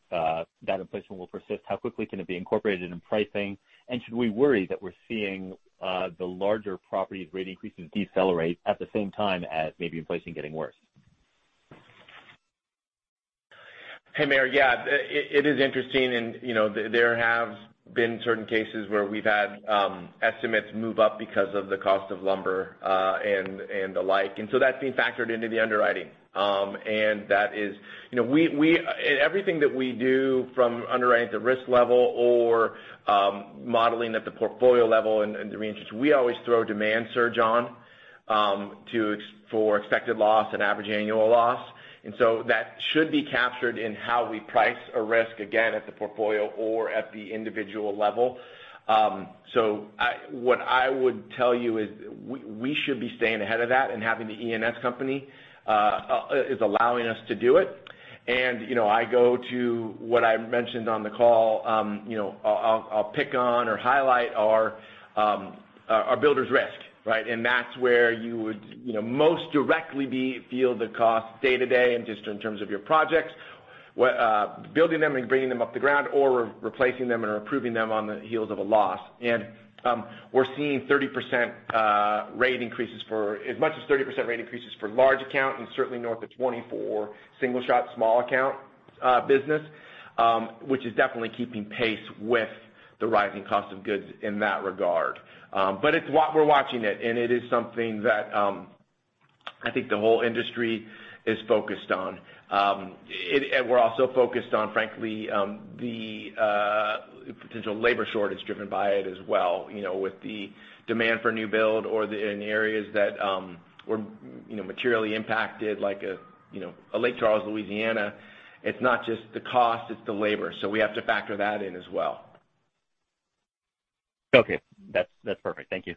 I: that inflation will persist, how quickly can it be incorporated in pricing? Should we worry that we're seeing the larger properties rate increases decelerate at the same time as maybe inflation getting worse?
C: Hey, Meyer. Yeah. It is interesting, there have been certain cases where we've had estimates move up because of the cost of lumber and the like. That's being factored into the underwriting. Everything that we do from underwriting at the risk level or modeling at the portfolio level and reinsurance, we always throw demand surge on for expected loss and average annual loss. That should be captured in how we price a risk, again, at the portfolio or at the individual level. What I would tell you is we should be staying ahead of that, having the E&S company is allowing us to do it. I go to what I mentioned on the call. I'll pick on or highlight our builder's risk, right? That's where you would most directly feel the cost day-to-day and just in terms of your projects, building them and bringing them up the ground or replacing them and improving them on the heels of a loss. We're seeing as much as 30% rate increases for large account, and certainly north of 20 for single shot small account business, which is definitely keeping pace with the rising cost of goods in that regard. We're watching it, and it is something that I think the whole industry is focused on. We're also focused on, frankly, the potential labor shortage driven by it as well with the demand for new build or in the areas that were materially impacted, like a Lake Charles, Louisiana. It's not just the cost, it's the labor. We have to factor that in as well.
I: Okay. That's perfect. Thank you.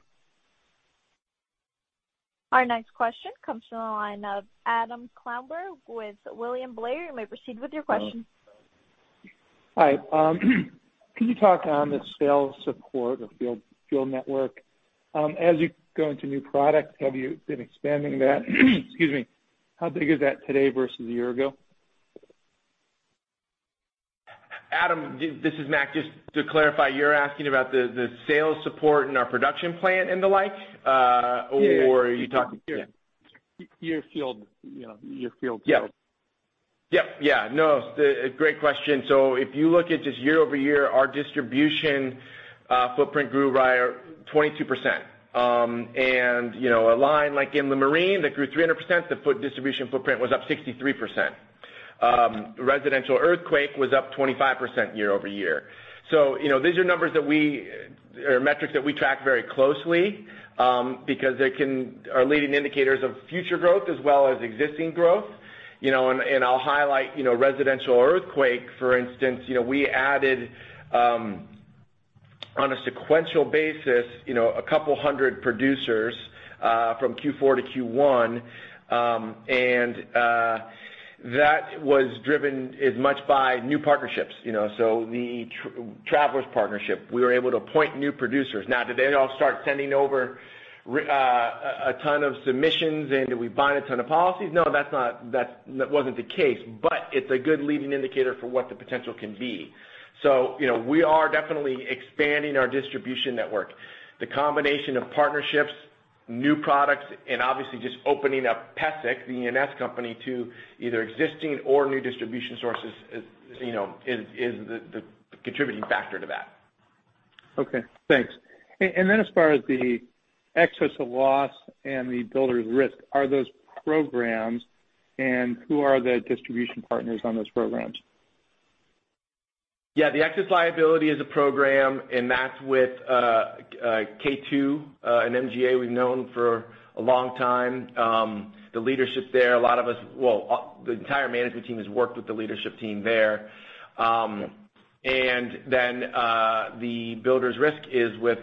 A: Our next question comes from the line of Adam Klauber with William Blair. You may proceed with your question.
J: Hi. Can you talk on the sales support or field network? As you go into new products, have you been expanding that? Excuse me. How big is that today versus a year ago?
C: Adam, this is Mac. Just to clarify, you're asking about the sales support and our production plan and the like? Or are you talking
J: Yeah. Your field sales.
C: Yep. Yeah. No, great question. If you look at just year-over-year, our distribution footprint grew by 22%. A line like inland marine that grew 300%, the distribution footprint was up 63%. Residential earthquake was up 25% year-over-year. These are metrics that we track very closely because they are leading indicators of future growth as well as existing growth. I'll highlight residential earthquake, for instance. We added on a sequential basis a couple hundred producers from Q4 to Q1, and that was driven as much by new partnerships. The Travelers partnership, we were able to appoint new producers. Now, did they all start sending over a ton of submissions, and did we bind a ton of policies? No, that wasn't the case, but it's a good leading indicator for what the potential can be. We are definitely expanding our distribution network. The combination of partnerships, new products, and obviously just opening up PESIC, the E&S company, to either existing or new distribution sources is the contributing factor to that.
J: Okay, thanks. As far as the excess of loss and the builder's risk, are those programs and who are the distribution partners on those programs?
C: Yeah. The excess liability is a program. That's with K2, an MGA. We've known for a long time, the leadership there, the entire management team has worked with the leadership team there. The builder's risk is with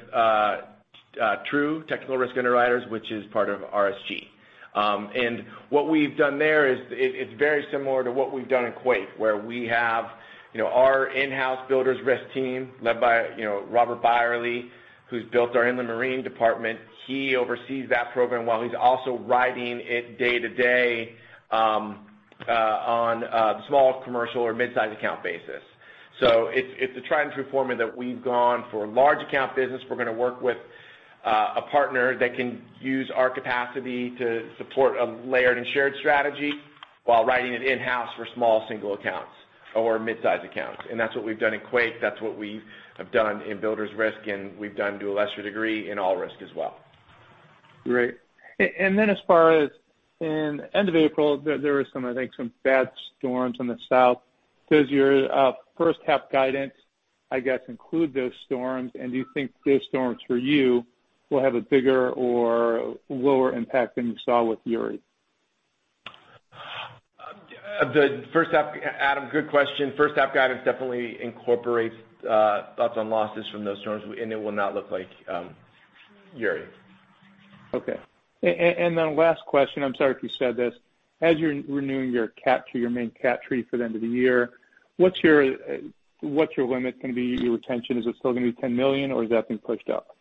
C: TRU, Technical Risk Underwriters, which is part of RSG. What we've done there is very similar to what we've done in quake, where we have our in-house builder's risk team led by Robert Beyerle, who's built our inland marine department. He oversees that program while he's also writing it day-to-day on a small commercial or midsize account basis. It's a tried and true formula that we've gone for large account business. We're going to work with a partner that can use our capacity to support a layered and shared strategy while writing it in-house for small single accounts or midsize accounts. That's what we've done in quake, that's what we have done in builder's risk. We've done to a lesser degree in all-risk as well.
J: Great. As far as in end of April, there were some, I think some bad storms in the south. Does your first half guidance, I guess, include those storms? Do you think those storms for you will have a bigger or lower impact than you saw with Uri?
C: Adam, good question. First half guidance definitely incorporates thoughts on losses from those storms. It will not look like Uri.
J: Okay. Last question, I'm sorry if you said this. As you're renewing your cat through your main cat treaty for the end of the year, what's your limit going to be, your retention? Is it still going to be $10 million or has that been pushed up?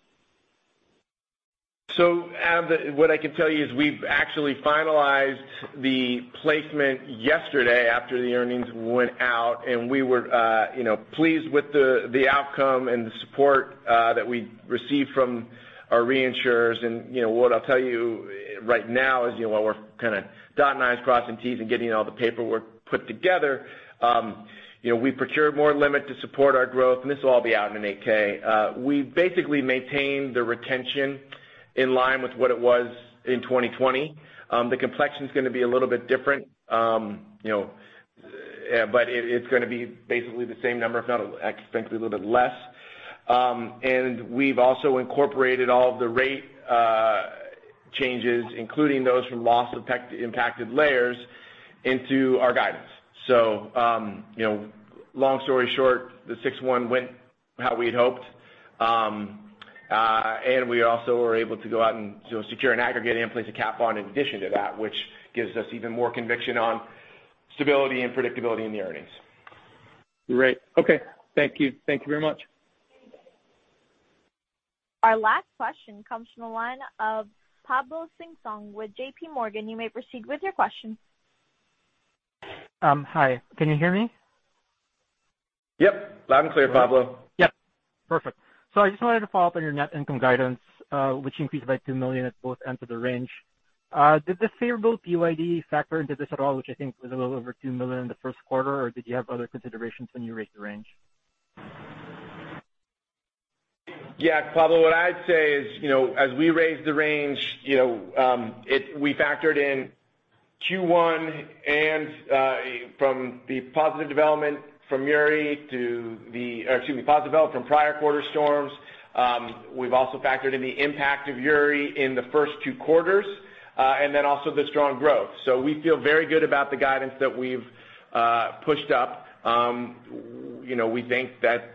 C: Adam, what I can tell you is we've actually finalized the placement yesterday after the earnings went out. We were pleased with the outcome and the support that we received from our reinsurers. What I'll tell you right now is, while we're kind of dotting i's crossing t's and getting all the paperwork put together, we procured more limit to support our growth. This will all be out in an 8-K. We've basically maintained the retention in line with what it was in 2020. The complexion's going to be a little bit different. It's going to be basically the same number, if not, I expect to be a little bit less. We've also incorporated all of the rate changes, including those from loss-impacted layers into our guidance. Long story short, the 6/1 went how we had hoped. We also were able to go out and secure an aggregate and place a cap on in addition to that, which gives us even more conviction on stability and predictability in the earnings.
J: Great. Okay. Thank you. Thank you very much.
A: Our last question comes from the line of Pablo Singzon with JPMorgan. You may proceed with your question.
K: Hi. Can you hear me?
C: Yep. Loud and clear, Pablo.
K: Yep. Perfect. I just wanted to follow up on your net income guidance, which increased by $2 million at both ends of the range. Did the favorable PYD factor into this at all, which I think was a little over $2 million in the first quarter, or did you have other considerations when you raised the range?
C: Pablo, what I'd say is, as we raised the range, we factored in Q1 and from the positive development from prior quarter storms. We've also factored in the impact of Uri in the first two quarters, the strong growth. We feel very good about the guidance that we've pushed up. We think that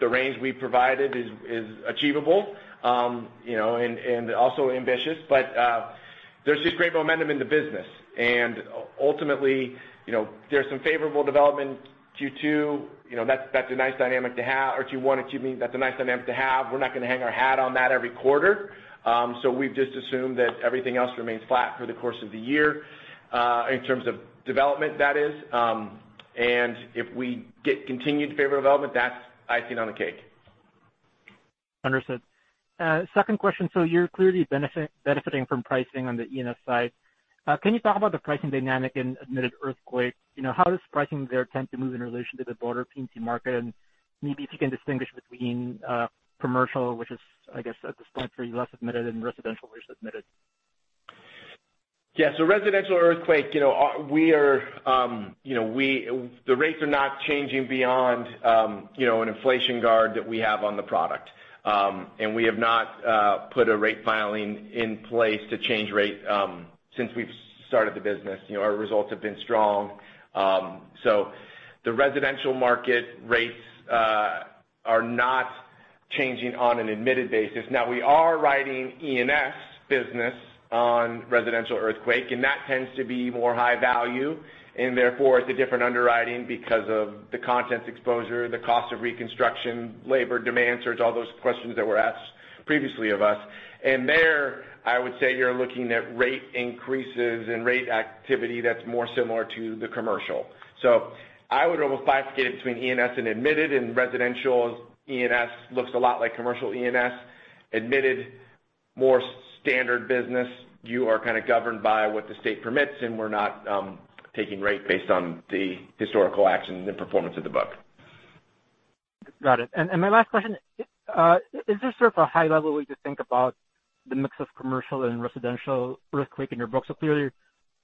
C: the range we've provided is achievable, ambitious, there's just great momentum in the business. Ultimately, there's some favorable development in Q1 that's a nice dynamic to have. We're not going to hang our hat on that every quarter. We've just assumed that everything else remains flat through the course of the year, in terms of development, that is. If we get continued favorable development, that's icing on the cake.
K: Understood. Second question, you're clearly benefiting from pricing on the E&S side. Can you talk about the pricing dynamic in admitted earthquake? How does pricing there tend to move in relation to the broader P&C market? Maybe if you can distinguish between commercial, which is, I guess at this point for you, less admitted than residential, which is admitted.
C: Residential earthquake, the rates are not changing beyond an inflation guard that we have on the product. We have not put a rate filing in place to change rate since we've started the business. Our results have been strong. The residential market rates are not changing on an admitted basis. Now we are writing E&S business on residential earthquake, that tends to be more high value, it's a different underwriting because of the contents exposure, the cost of reconstruction, labor demands. There's all those questions that were asked previously of us. There, I would say you're looking at rate increases and rate activity that's more similar to the commercial. I would almost bifurcate it between E&S and admitted and residential E&S looks a lot like commercial E&S. Admitted more standard business. You are kind of governed by what the state permits, we're not taking rate based on the historical actions and performance of the book.
K: Got it. My last question, is there sort of a high-level way to think about the mix of commercial and residential earthquake in your books? Clearly,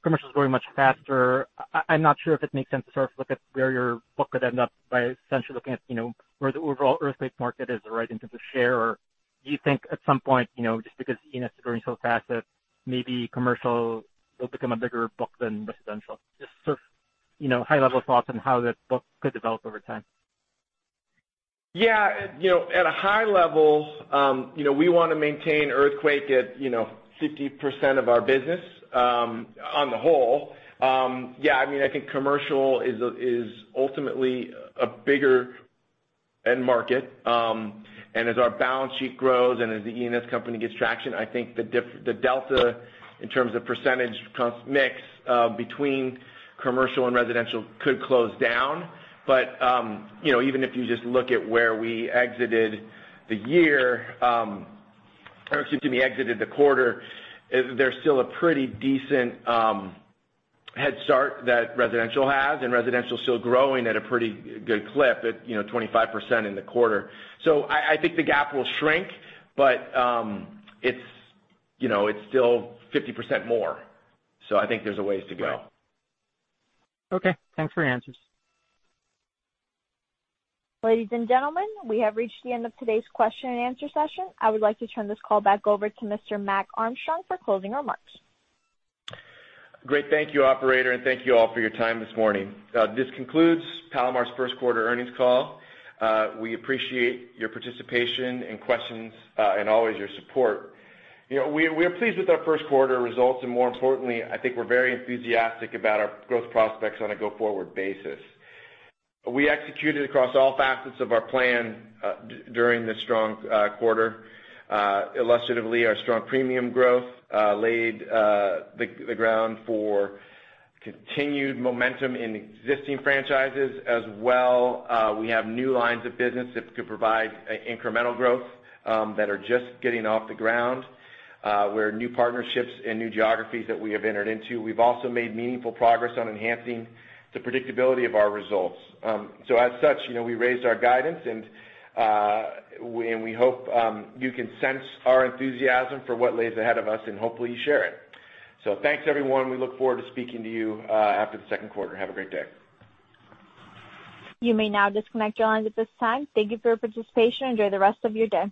K: commercial is growing much faster. I'm not sure if it makes sense to sort of look at where your book could end up by essentially looking at where the overall earthquake market is in terms of share. Do you think at some point, just because E&S is growing so fast that maybe commercial will become a bigger book than residential? Just sort of high-level thoughts on how that book could develop over time.
C: Yeah. At a high-level, we want to maintain earthquake at 50% of our business on the whole. I think commercial is ultimately a bigger end market. As our balance sheet grows and as the E&S company gets traction, I think the delta in terms of percentage mix between commercial and residential could close down. Even if you just look at where we exited the quarter, there's still a pretty decent head start that residential has, and residential's still growing at a pretty good clip at 25% in the quarter. I think the gap will shrink, but it's still 50% more, so I think there's a ways to go.
K: Okay. Thanks for your answers.
A: Ladies and gentlemen, we have reached the end of today's question and answer session. I would like to turn this call back over to Mr. Mac Armstrong for closing remarks.
C: Great. Thank you, operator, and thank you all for your time this morning. This concludes Palomar's first quarter earnings call. We appreciate your participation and questions, and always your support. We are pleased with our first quarter results, and more importantly, I think we're very enthusiastic about our growth prospects on a go-forward basis. We executed across all facets of our plan during this strong quarter. Illustratively, our strong premium growth laid the ground for continued momentum in existing franchises as well. We have new lines of business that could provide incremental growth that are just getting off the ground, where new partnerships and new geographies that we have entered into. We've also made meaningful progress on enhancing the predictability of our results. As such, we raised our guidance, and we hope you can sense our enthusiasm for what lays ahead of us, and hopefully you share it. Thanks, everyone. We look forward to speaking to you after the second quarter. Have a great day.
A: You may now disconnect your lines at this time. Thank you for your participation. Enjoy the rest of your day.